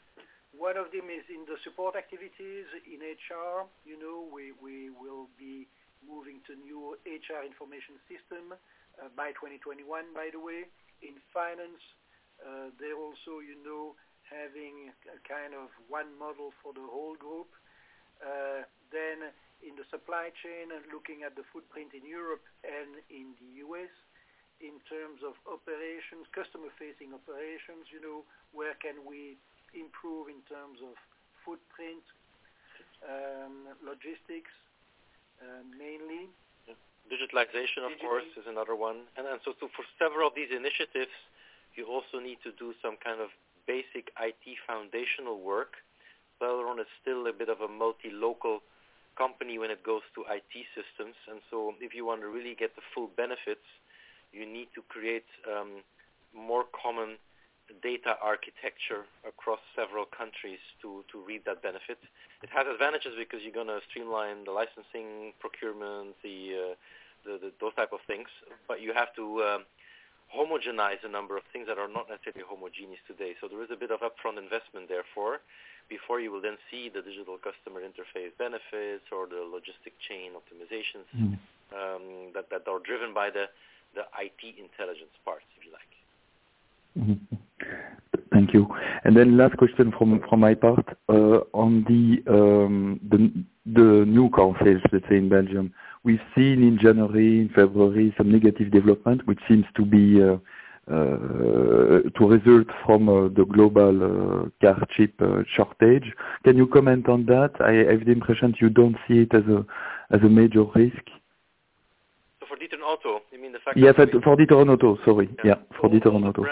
One of them is in the support activities in HR. We will be moving to new HR information system by 2021, by the way. In finance, they are also having a kind of one model for the whole group. In the supply chain and looking at the footprint in Europe and in the U.S. in terms of operations, customer-facing operations, where can we improve in terms of footprint, logistics, mainly. Digitalization, of course, is another one. For several of these initiatives, you also need to do some kind of basic IT foundational work. D'leteren is still a bit of a multi-local company when it goes to IT systems. If you want to really get the full benefits, you need to create more common data architecture across several countries to reap that benefit. It has advantages because you're going to streamline the licensing procurement, those type of things. You have to homogenize a number of things that are not necessarily homogeneous today. There is a bit of upfront investment therefore, before you will then see the digital customer interface benefits or the logistic chain optimizations that are driven by the IT intelligence parts, if you like. Thank you. Last question from my part, on the new car sales, let's say, in Belgium. We've seen in January and February some negative development, which seems to result from the global car chip shortage. Can you comment on that? I have the impression you don't see it as a major risk. For D'Ieteren Auto, you mean the factory? Yes, for D'Ieteren Auto. Sorry. Yeah, for D'Ieteren Auto.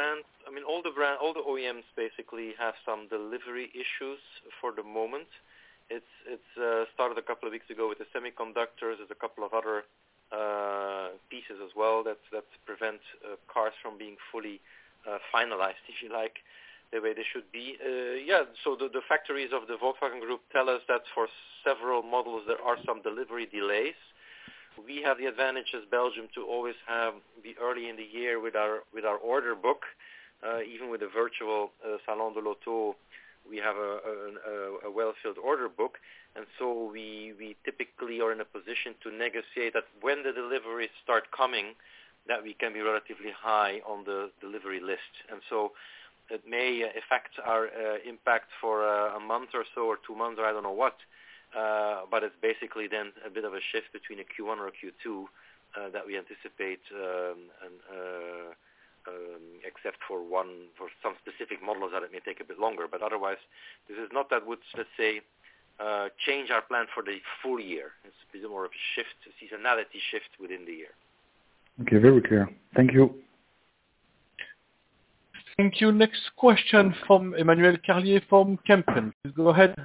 All the OEMs basically have some delivery issues for the moment. It started a couple of weeks ago with the semiconductors. There is a couple of other pieces as well that prevent cars from being fully finalized, if you like, the way they should be. Yeah, the factories of the Volkswagen Group tell us that for several models, there are some delivery delays. We have the advantage as Belgium to always have the early in the year with our order book. Even with the virtual Salon de l'Auto, we have a well-filled order book. We typically are in a position to negotiate that when the deliveries start coming, that we can be relatively high on the delivery list. It may affect our impact for a month or so, or two months, or I don't know what. It's basically then a bit of a shift between a Q1 or a Q2 that we anticipate, except for some specific models that it may take a bit longer. Otherwise, this is not that would, let's say, change our plan for the full year. This is more of a seasonality shift within the year. Okay, very clear. Thank you. Thank you. Next question from Emmanuel Carlier from Kempen. Please go ahead.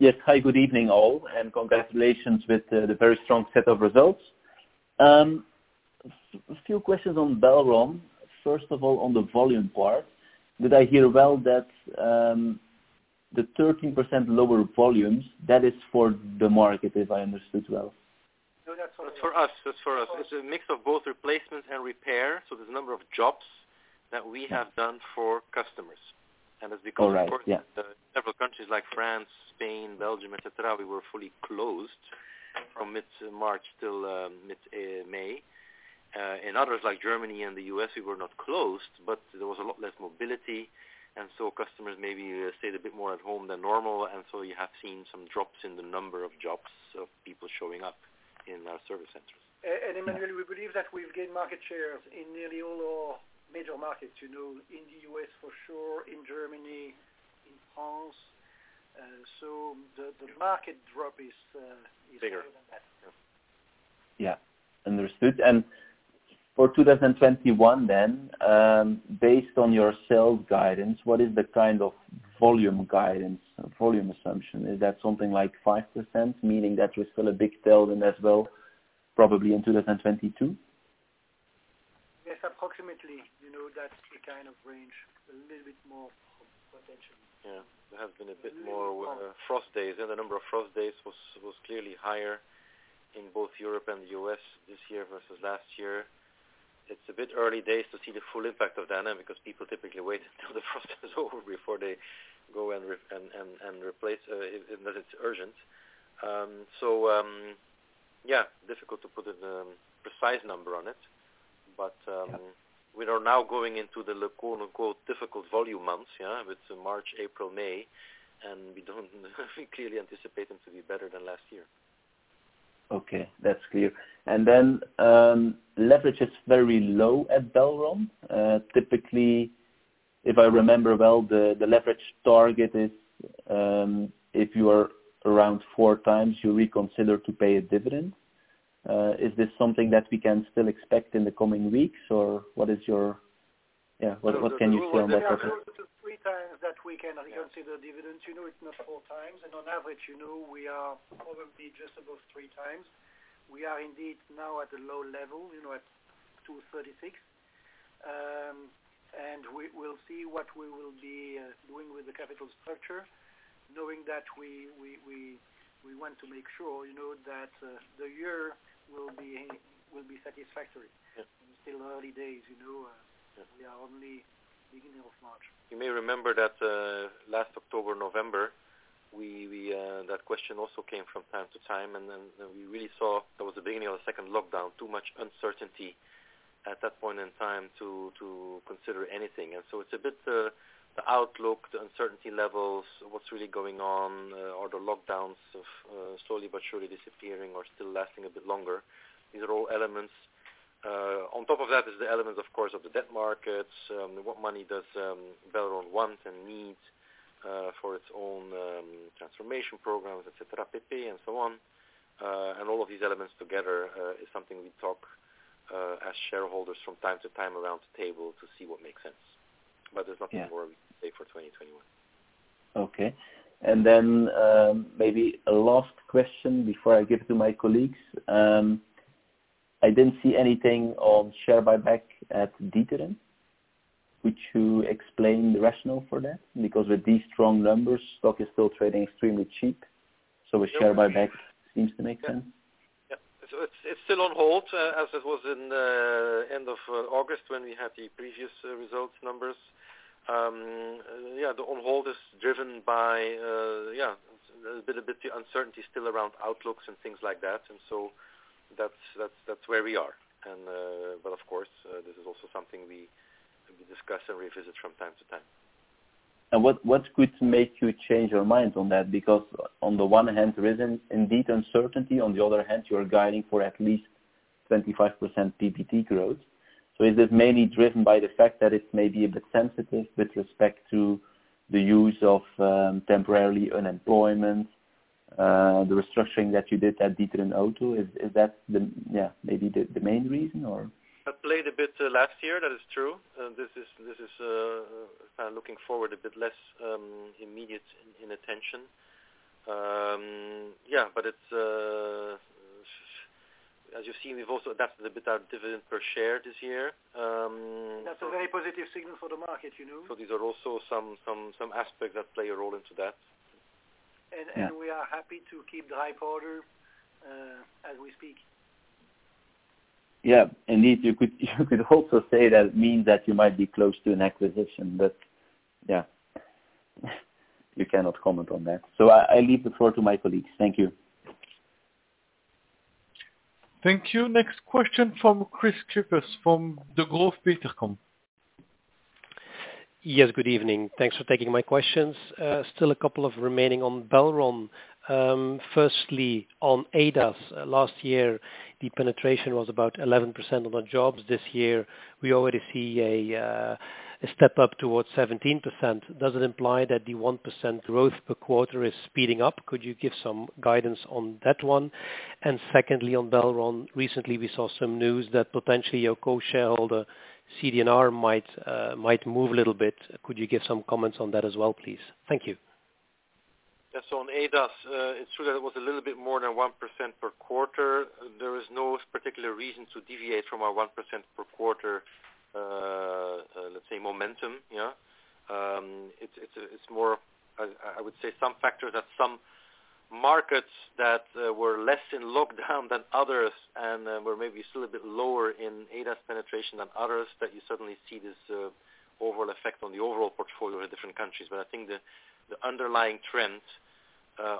Yes. Hi, good evening all, and congratulations with the very strong set of results. A few questions on Belron. First of all, on the volume part, did I hear well that the 13% lower volumes, that is for the market, if I understood well? No, that's for us. It's a mix of both replacements and repair. There's a number of jobs that we have done for customers. Oh, right. Yeah. Several countries like France, Spain, Belgium, et cetera, we were fully closed from mid-March till mid May. In others like Germany and the U.S., we were not closed, but there was a lot less mobility, and so customers maybe stayed a bit more at home than normal, and so you have seen some drops in the number of jobs, of people showing up in our service centers. Emmanuel, we believe that we've gained market shares in nearly all major markets. In the U.S. for sure, in Germany, in France. Bigger Bigger than that. Yep. Yeah. Understood. For 2021, based on your sales guidance, what is the kind of volume guidance, volume assumption? Is that something like 5%, meaning that you're still a big tailwind as well, probably in 2022? Yes, approximately. That's the kind of range. A little bit more potential. Yeah. There have been a bit more frost days. The number of frost days was clearly higher in both Europe and the U.S. this year versus last year. It's a bit early days to see the full impact of that because people typically wait until the frost is over before they go and replace, unless it's urgent. Yeah, difficult to put a precise number on it. Yeah We are now going into the "difficult volume months." Yeah, with March, April, May, we don't clearly anticipate them to be better than last year. Okay, that's clear. Leverage is very low at Belron. Typically, if I remember well, the leverage target is if you are around four times, you reconsider to pay a dividend. Is this something that we can still expect in the coming weeks? What can you say on that topic? There are close to three times that we can reconsider dividends. It's not four times. On average, we are probably just above three times. We are indeed now at a low level, at 236. We'll see what we will be doing with the capital structure, knowing that we want to make sure that the year will be satisfactory. Yes. It's still early days. Yes. We are only beginning of March. You may remember that last October, November, that question also came from time to time, then we really saw there was the beginning of the second lockdown, too much uncertainty at that point in time to consider anything. So it's a bit the outlook, the uncertainty levels, what's really going on, are the lockdowns slowly but surely disappearing or still lasting a bit longer? These are all elements. On top of that is the element, of course, of the debt markets. What money does Belron want and need for its own transformation programs, et cetera, PP, and so on. All of these elements together is something we talk as shareholders from time to time around the table to see what makes sense. There's nothing more we can say for 2021. Okay. Maybe a last question before I give to my colleagues. I didn't see anything on share buyback at D'Ieteren. Would you explain the rationale for that? With these strong numbers, stock is still trading extremely cheap. A share buyback seems to make sense. Yeah. It's still on hold, as it was in the end of August when we had the previous results numbers. Yeah, the on hold is driven by the uncertainty still around outlooks and things like that. That's where we are. Of course, this is also something we discuss and revisit from time to time. What could make you change your mind on that? On the one hand, there is indeed uncertainty. On the other hand, you are guiding for at least 25% PBT growth. Is this mainly driven by the fact that it's maybe a bit sensitive with respect to the use of temporarily unemployment, the restructuring that you did at D'Ieteren Auto, is that maybe the main reason? That played a bit last year, that is true. This is looking forward a bit less immediate in attention. As you've seen, we've also adapted a bit our dividend per share this year. That's a very positive signal for the market. These are also some aspects that play a role into that. We are happy to keep the high [quarter as we speak. Yeah. Indeed, you could also say that means that you might be close to an acquisition, but yeah. You cannot comment on that. I leave the floor to my colleagues. Thank you. Thank you. Next question from Kris Kippers from Degroof Petercam. Yes, good evening. Thanks for taking my questions. Still a couple of remaining on Belron. Firstly, on ADAS. Last year, the penetration was about 11% of our jobs. This year, we already see a step up towards 17%. Does it imply that the 1% growth per quarter is speeding up? Could you give some guidance on that one? Secondly, on Belron, recently we saw some news that potentially your co-shareholder, CD&R might move a little bit. Could you give some comments on that as well, please? Thank you. Yes. On ADAS, it's true that it was a little bit more than 1% per quarter. There is no particular reason to deviate from our 1% per quarter, let's say, momentum. It's more, I would say, some factors at some markets that were less in lockdown than others and were maybe still a bit lower in ADAS penetration than others, that you suddenly see this overall effect on the overall portfolio in different countries. I think the underlying trend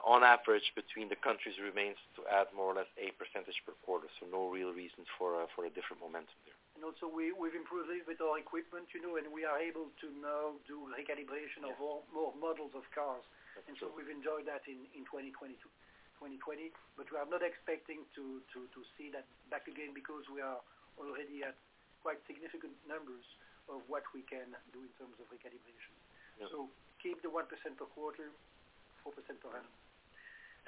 on average between the countries remains to add more or less a percentage per quarter. No real reasons for a different momentum there. Also we've improved a bit our equipment, and we are able to now do recalibration of more models of cars. That's true. We've enjoyed that in 2020. We are not expecting to see that back again because we are already at quite significant numbers of what we can do in terms of recalibration. Yeah. Keep the 1% per quarter, 4% per annum.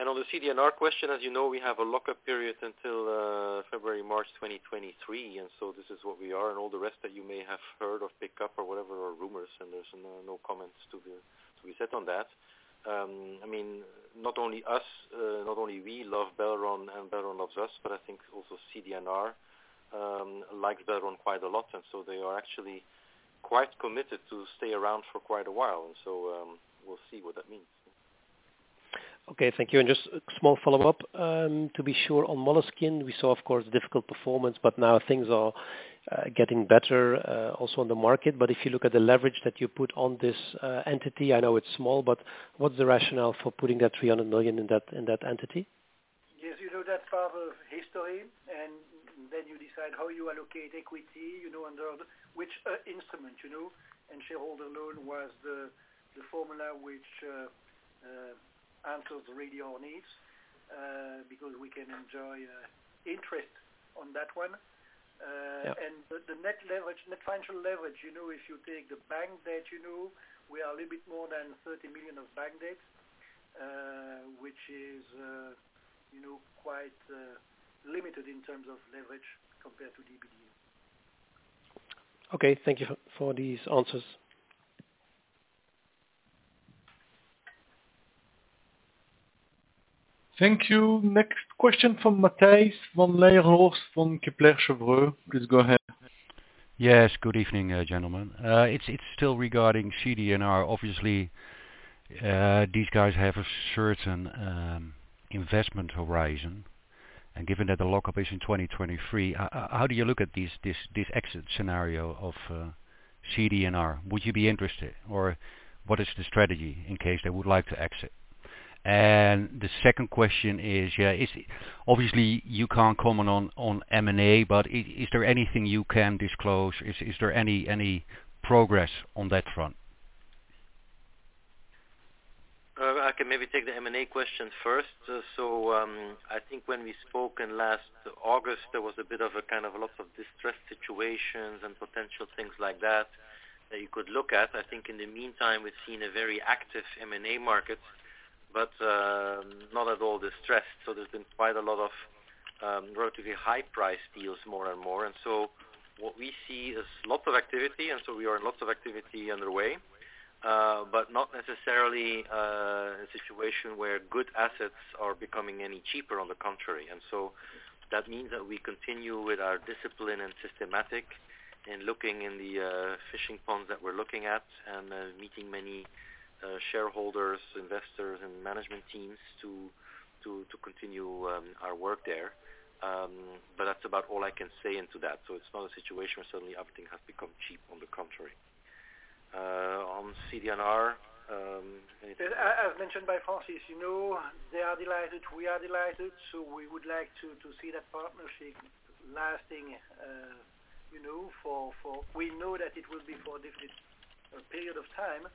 On the CD&R question, as you know, we have a lockup period until February, March 2023. This is what we are. All the rest that you may have heard of, pick up or whatever are rumors. There's no comments to be said on that. Not only us, not only we love Belron and Belron loves us, but I think also CD&R likes Belron quite a lot. They are actually quite committed to stay around for quite a while. We'll see what that means. Okay. Thank you. Just a small follow-up. To be sure, on Moleskine, we saw, of course, difficult performance, but now things are getting better also on the market. If you look at the leverage that you put on this entity, I know it's small, but what's the rationale for putting that 300 million in that entity? Yes, you know that path of history, and then you decide how you allocate equity, under which instrument. Shareholder loan was the formula which answers really our needs, because we can enjoy interest on that one. Yeah. The net financial leverage, if you take the bank debt, we are a little bit more than 30 million of bank debt, which is quite limited in terms of leverage compared to EBITDA. Okay. Thank you for these answers. Thank you. Next question from Matthijs van Leijenhorst from Kepler Cheuvreux. Please go ahead. Yes, good evening, gentlemen. It's still regarding CD&R. Obviously, these guys have a certain investment horizon, and given that the lockup is in 2023, how do you look at this exit scenario of CD&R? Would you be interested or what is the strategy in case they would like to exit? The second question is, obviously you can't comment on M&A, but is there anything you can disclose? Is there any progress on that front? I can maybe take the M&A question first. I think when we spoken last August, there was a bit of a kind of a lot of distressed situations and potential things like that that you could look at. I think in the meantime, we've seen a very active M&A market, but not at all distressed. There's been quite a lot of relatively high-priced deals more and more. What we see is lots of activity, we are lots of activity underway, but not necessarily a situation where good assets are becoming any cheaper, on the contrary. That means that we continue with our discipline and systematic in looking in the fishing ponds that we're looking at and meeting many shareholders, investors, and management teams to continue our work there. That's about all I can say into that. It's not a situation where suddenly everything has become cheap, on the contrary. On CD&R, anything? As mentioned by Francis, they are delighted, we are delighted. We would like to see that partnership. We know that it will be for a period of time,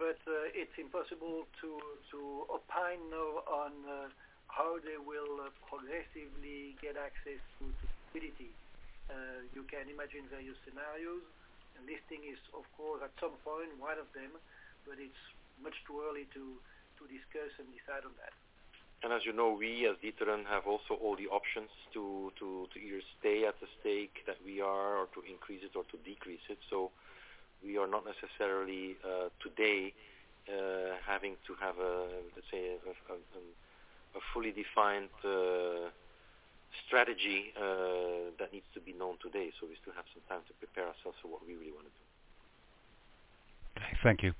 but it's impossible to opine now on how they will progressively get access to liquidity. You can imagine various scenarios. Listing is, of course, at some point one of them, but it's much too early to discuss and decide on that. As you know, we as D'Ieteren have also all the options to either stay at the stake that we are or to increase it or to decrease it. We are not necessarily today having to have, let's say, a fully defined strategy that needs to be known today. We still have some time to prepare ourselves for what we really want to do. Thank you.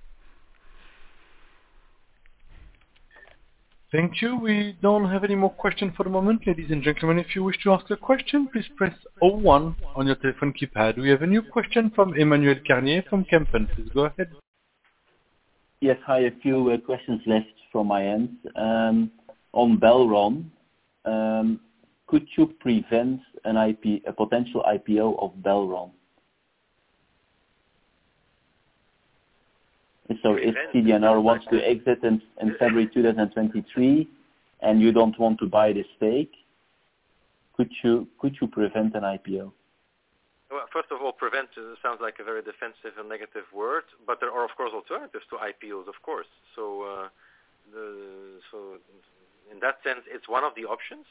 Thank you. We don't have any more question for the moment. Ladies and gentlemen, if you wish to ask a question, please press O one on your telephone keypad. We have a new question from Emmanuel Carlier from Kempen. Please go ahead. Yes. Hi, a few questions left from my end. On Belron, could you prevent a potential IPO of Belron? If CD&R wants to exit in February 2023, and you don't want to buy this stake, could you prevent an IPO? Well, first of all, prevent sounds like a very defensive and negative word, but there are, of course, alternatives to IPOs, of course. In that sense, it's one of the options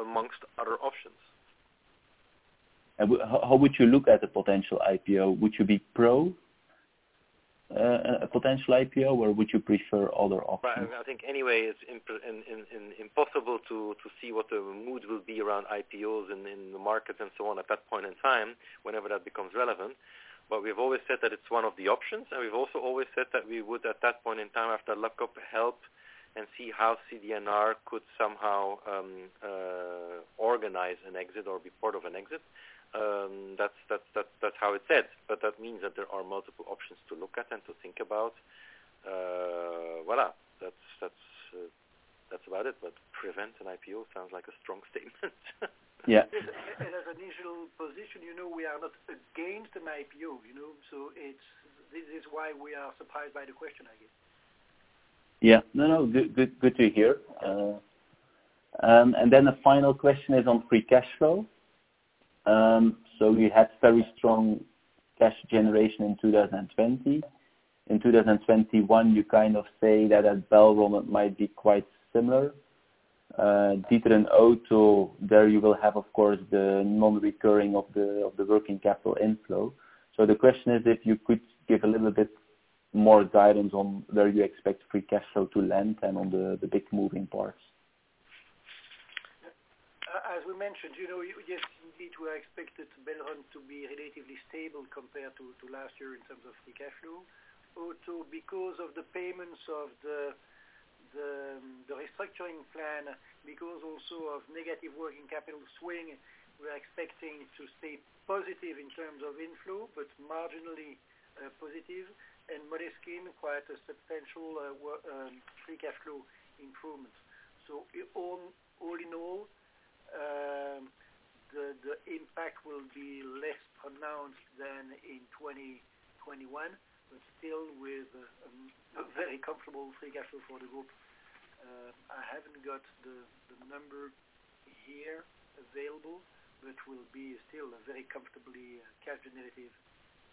amongst other options. How would you look at a potential IPO? Would you be pro a potential IPO, or would you prefer other options? I think anyway, it's impossible to see what the mood will be around IPOs in the market and so on at that point in time, whenever that becomes relevant. We've always said that it's one of the options, and we've also always said that we would, at that point in time after lock-up, help and see how CD&R could somehow organize an exit or be part of an exit. That's how it's said. That means that there are multiple options to look at and to think about. Voila. That's about it. Prevent an IPO sounds like a strong statement. Yeah. As an initial position, we are not against an IPO. This is why we are surprised by the question, I guess. Yeah. No, good to hear. The final question is on free cash flow. You had very strong cash generation in 2020. In 2021, you kind of say that at Belron it might be quite similar. D'Ieteren Auto, there you will have, of course, the non-recurring of the working capital inflow. The question is if you could give a little bit more guidance on where you expect free cash flow to land and on the big moving parts. As we mentioned, yes, indeed, we are expected Belron to be relatively stable compared to last year in terms of free cash flow. Auto, because of the payments of the restructuring plan, because also of negative working capital swing, we're expecting to stay positive in terms of inflow, but marginally positive. Moleskine, quite a substantial free cash flow improvement. All in all, the impact will be less pronounced than in 2021, but still with a very comfortable free cash flow for the group. I haven't got the number here available, but we'll be still very comfortably cash generative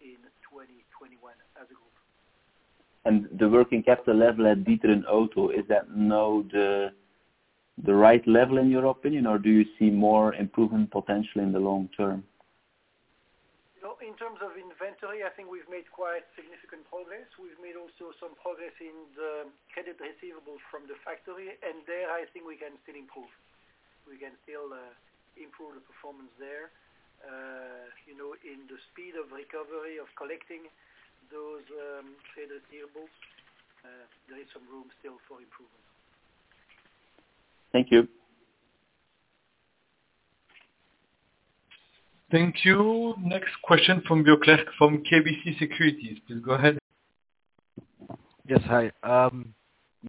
in 2021 as a group. The working capital level at D'Ieteren Auto, is that now the right level in your opinion, or do you see more improvement potential in the long term? In terms of inventory, I think we've made quite significant progress. We've made also some progress in the credit receivables from the factory. There, I think we can still improve. We can still improve the performance there. In the speed of recovery of collecting those trade receivables, there is some room still for improvement. Thank you. Thank you. Next question from Michiel Declercq from KBC Securities. Please go ahead. Yes. Hi.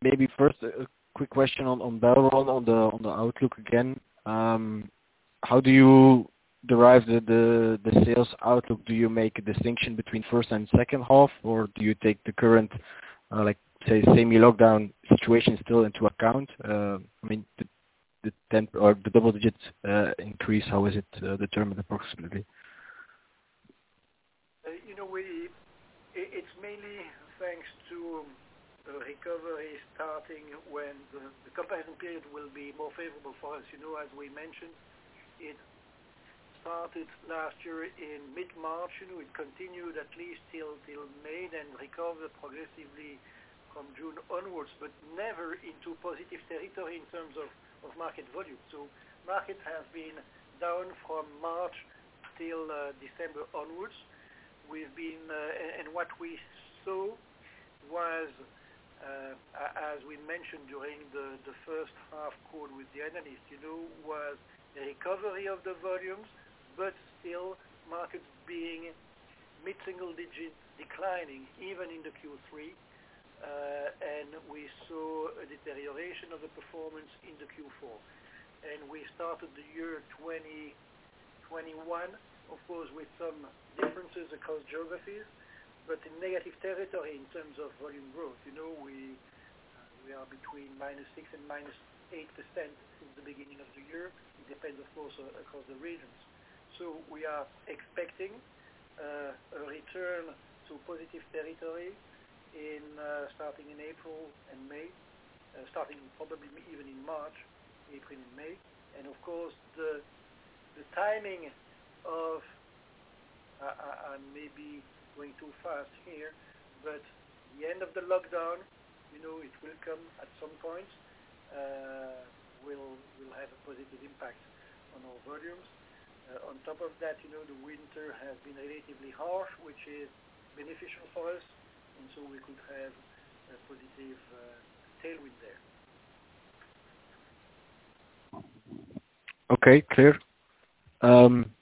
Maybe first a quick question on Belron on the outlook again. How do you derive the sales outlook? Do you make a distinction between first and second half, or do you take the current, say, semi lockdown situation still into account? The double-digit increase, how is it determined approximately? It's mainly thanks to recovery starting when the comparison period will be more favorable for us. As we mentioned, it started last year in mid-March. It continued at least till May and recovered progressively from June onwards, but never into positive territory in terms of market volume. Market has been down from March till December onwards. What we saw, as we mentioned during the first half call with the analysts, was the recovery of the volumes, but still markets being mid-single digits declining even into Q3. We saw a deterioration of the performance into Q4. We started the year 2021, of course, with some differences across geographies, but in negative territory in terms of volume growth. We are between -6% and -8% since the beginning of the year. It depends, of course, across the regions. We are expecting a return to positive territory starting in April and May. Starting probably even in March, April, and May. Of course, the timing of I may be going too fast here, but the end of the lockdown, it will come at some point, will have a positive impact on our volumes. On top of that, the winter has been relatively harsh, which is beneficial for us, we could have a positive tailwind there. Okay, clear.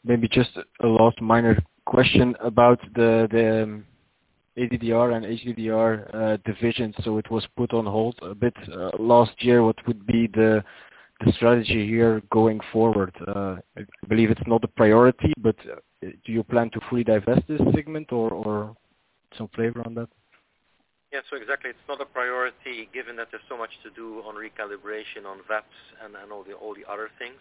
Maybe just a last minor question about the ADRR and HDRR division. It was put on hold a bit last year. What would be the strategy here going forward? I believe it's not a priority, but do you plan to fully divest this segment, or some flavor on that? Yes. Exactly, it's not a priority given that there's so much to do on recalibration on VAPS and all the other things.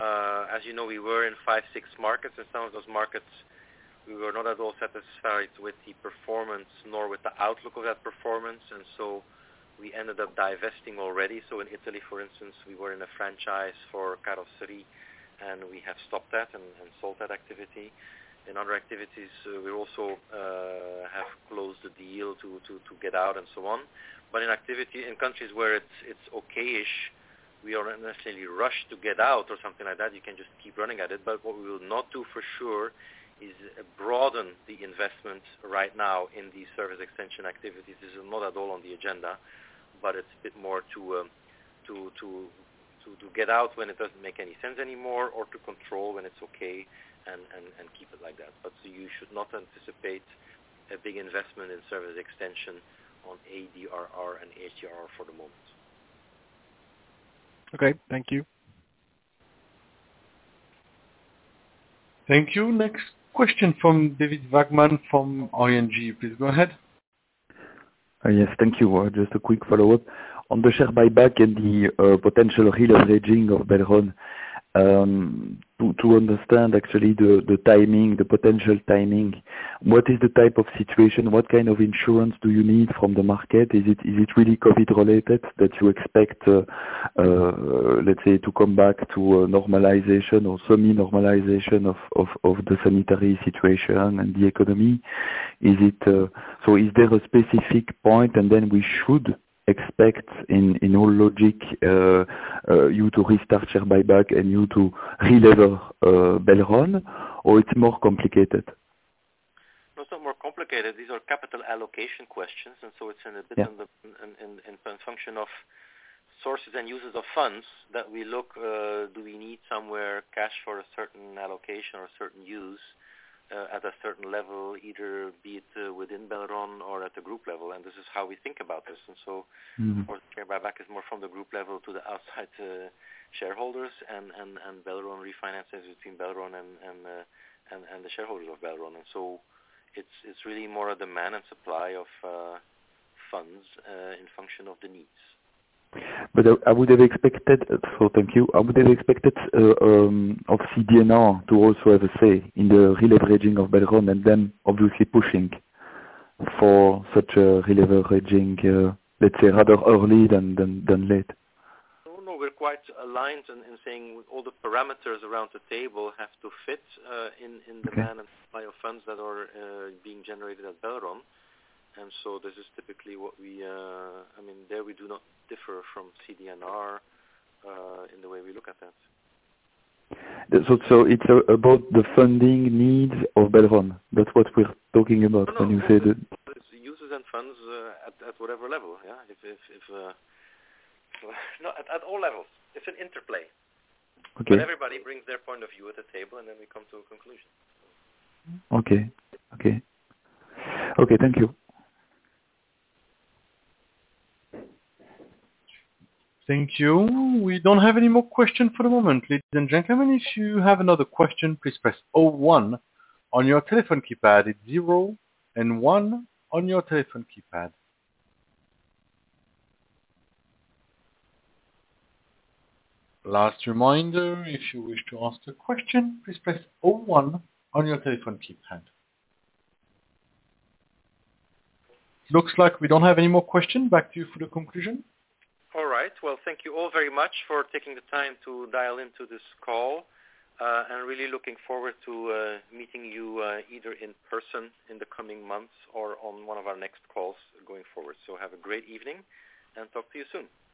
As you know, we were in five, six markets, and some of those markets, we were not at all satisfied with the performance, nor with the outlook of that performance. We ended up divesting already. In Italy, for instance, we were in a franchise for Carrosserie, and we have stopped that and sold that activity. In other activities, we also have closed the deal to get out and so on. In countries where it's okay-ish, we aren't necessarily rushed to get out or something like that. You can just keep running at it. What we will not do for sure is broaden the investment right now in the service extension activities. This is not at all on the agenda. It's a bit more to get out when it doesn't make any sense anymore or to control when it's okay and keep it like that. You should not anticipate a big investment in service extension on ADRR and HDRR for the moment. Okay. Thank you. Thank you. Next question from David Vagman from ING. Please go ahead. Yes, thank you. Just a quick follow-up. On the share buyback and the potential releveraging of Belron. To understand actually the timing, the potential timing, what is the type of situation, what kind of insurance do you need from the market? Is it really COVID related that you expect, let's say, to come back to a normalization or semi-normalization of the sanitary situation and the economy? Is there a specific point, and then we should expect in all logic, you to restart share buyback and you to relever Belron, or it's more complicated? No, it's not more complicated. These are capital allocation questions. It's in a bit of a function of sources and users of funds that we look, do we need somewhere cash for a certain allocation or a certain use at a certain level, either be it within Belron or at the group level. This is how we think about this. Of course, share buyback is more from the group level to the outside shareholders, and Belron refinances between Belron and the shareholders of Belron. It's really more a demand and supply of funds in function of the needs. Thank you. I would have expected CD&R to also have a say in the releveraging of Belron, and obviously pushing for such a releveraging, let's say, rather early than late. No, we're quite aligned in saying all the parameters around the table have to fit in the demand and supply of funds that are being generated at Belron. This is typically There we do not differ from CD&R in the way we look at that. It's about the funding needs of Belron. No. It's the users and funds at whatever level, yeah? No, at all levels. It's an interplay. Okay. Everybody brings their point of view at the table, and then we come to a conclusion. Okay. Thank you. Thank you. We don't have any more question for the moment. Ladies and gentlemen, if you have another question, please press O one on your telephone keypad. It's zero and one on your telephone keypad. Last reminder, if you wish to ask a question, please press O one on your telephone keypad. Looks like we don't have any more questions. Back to you for the conclusion. All right. Well, thank you all very much for taking the time to dial into this call. I'm really looking forward to meeting you either in person in the coming months or on one of our next calls going forward. Have a great evening, and talk to you soon. Bye-bye.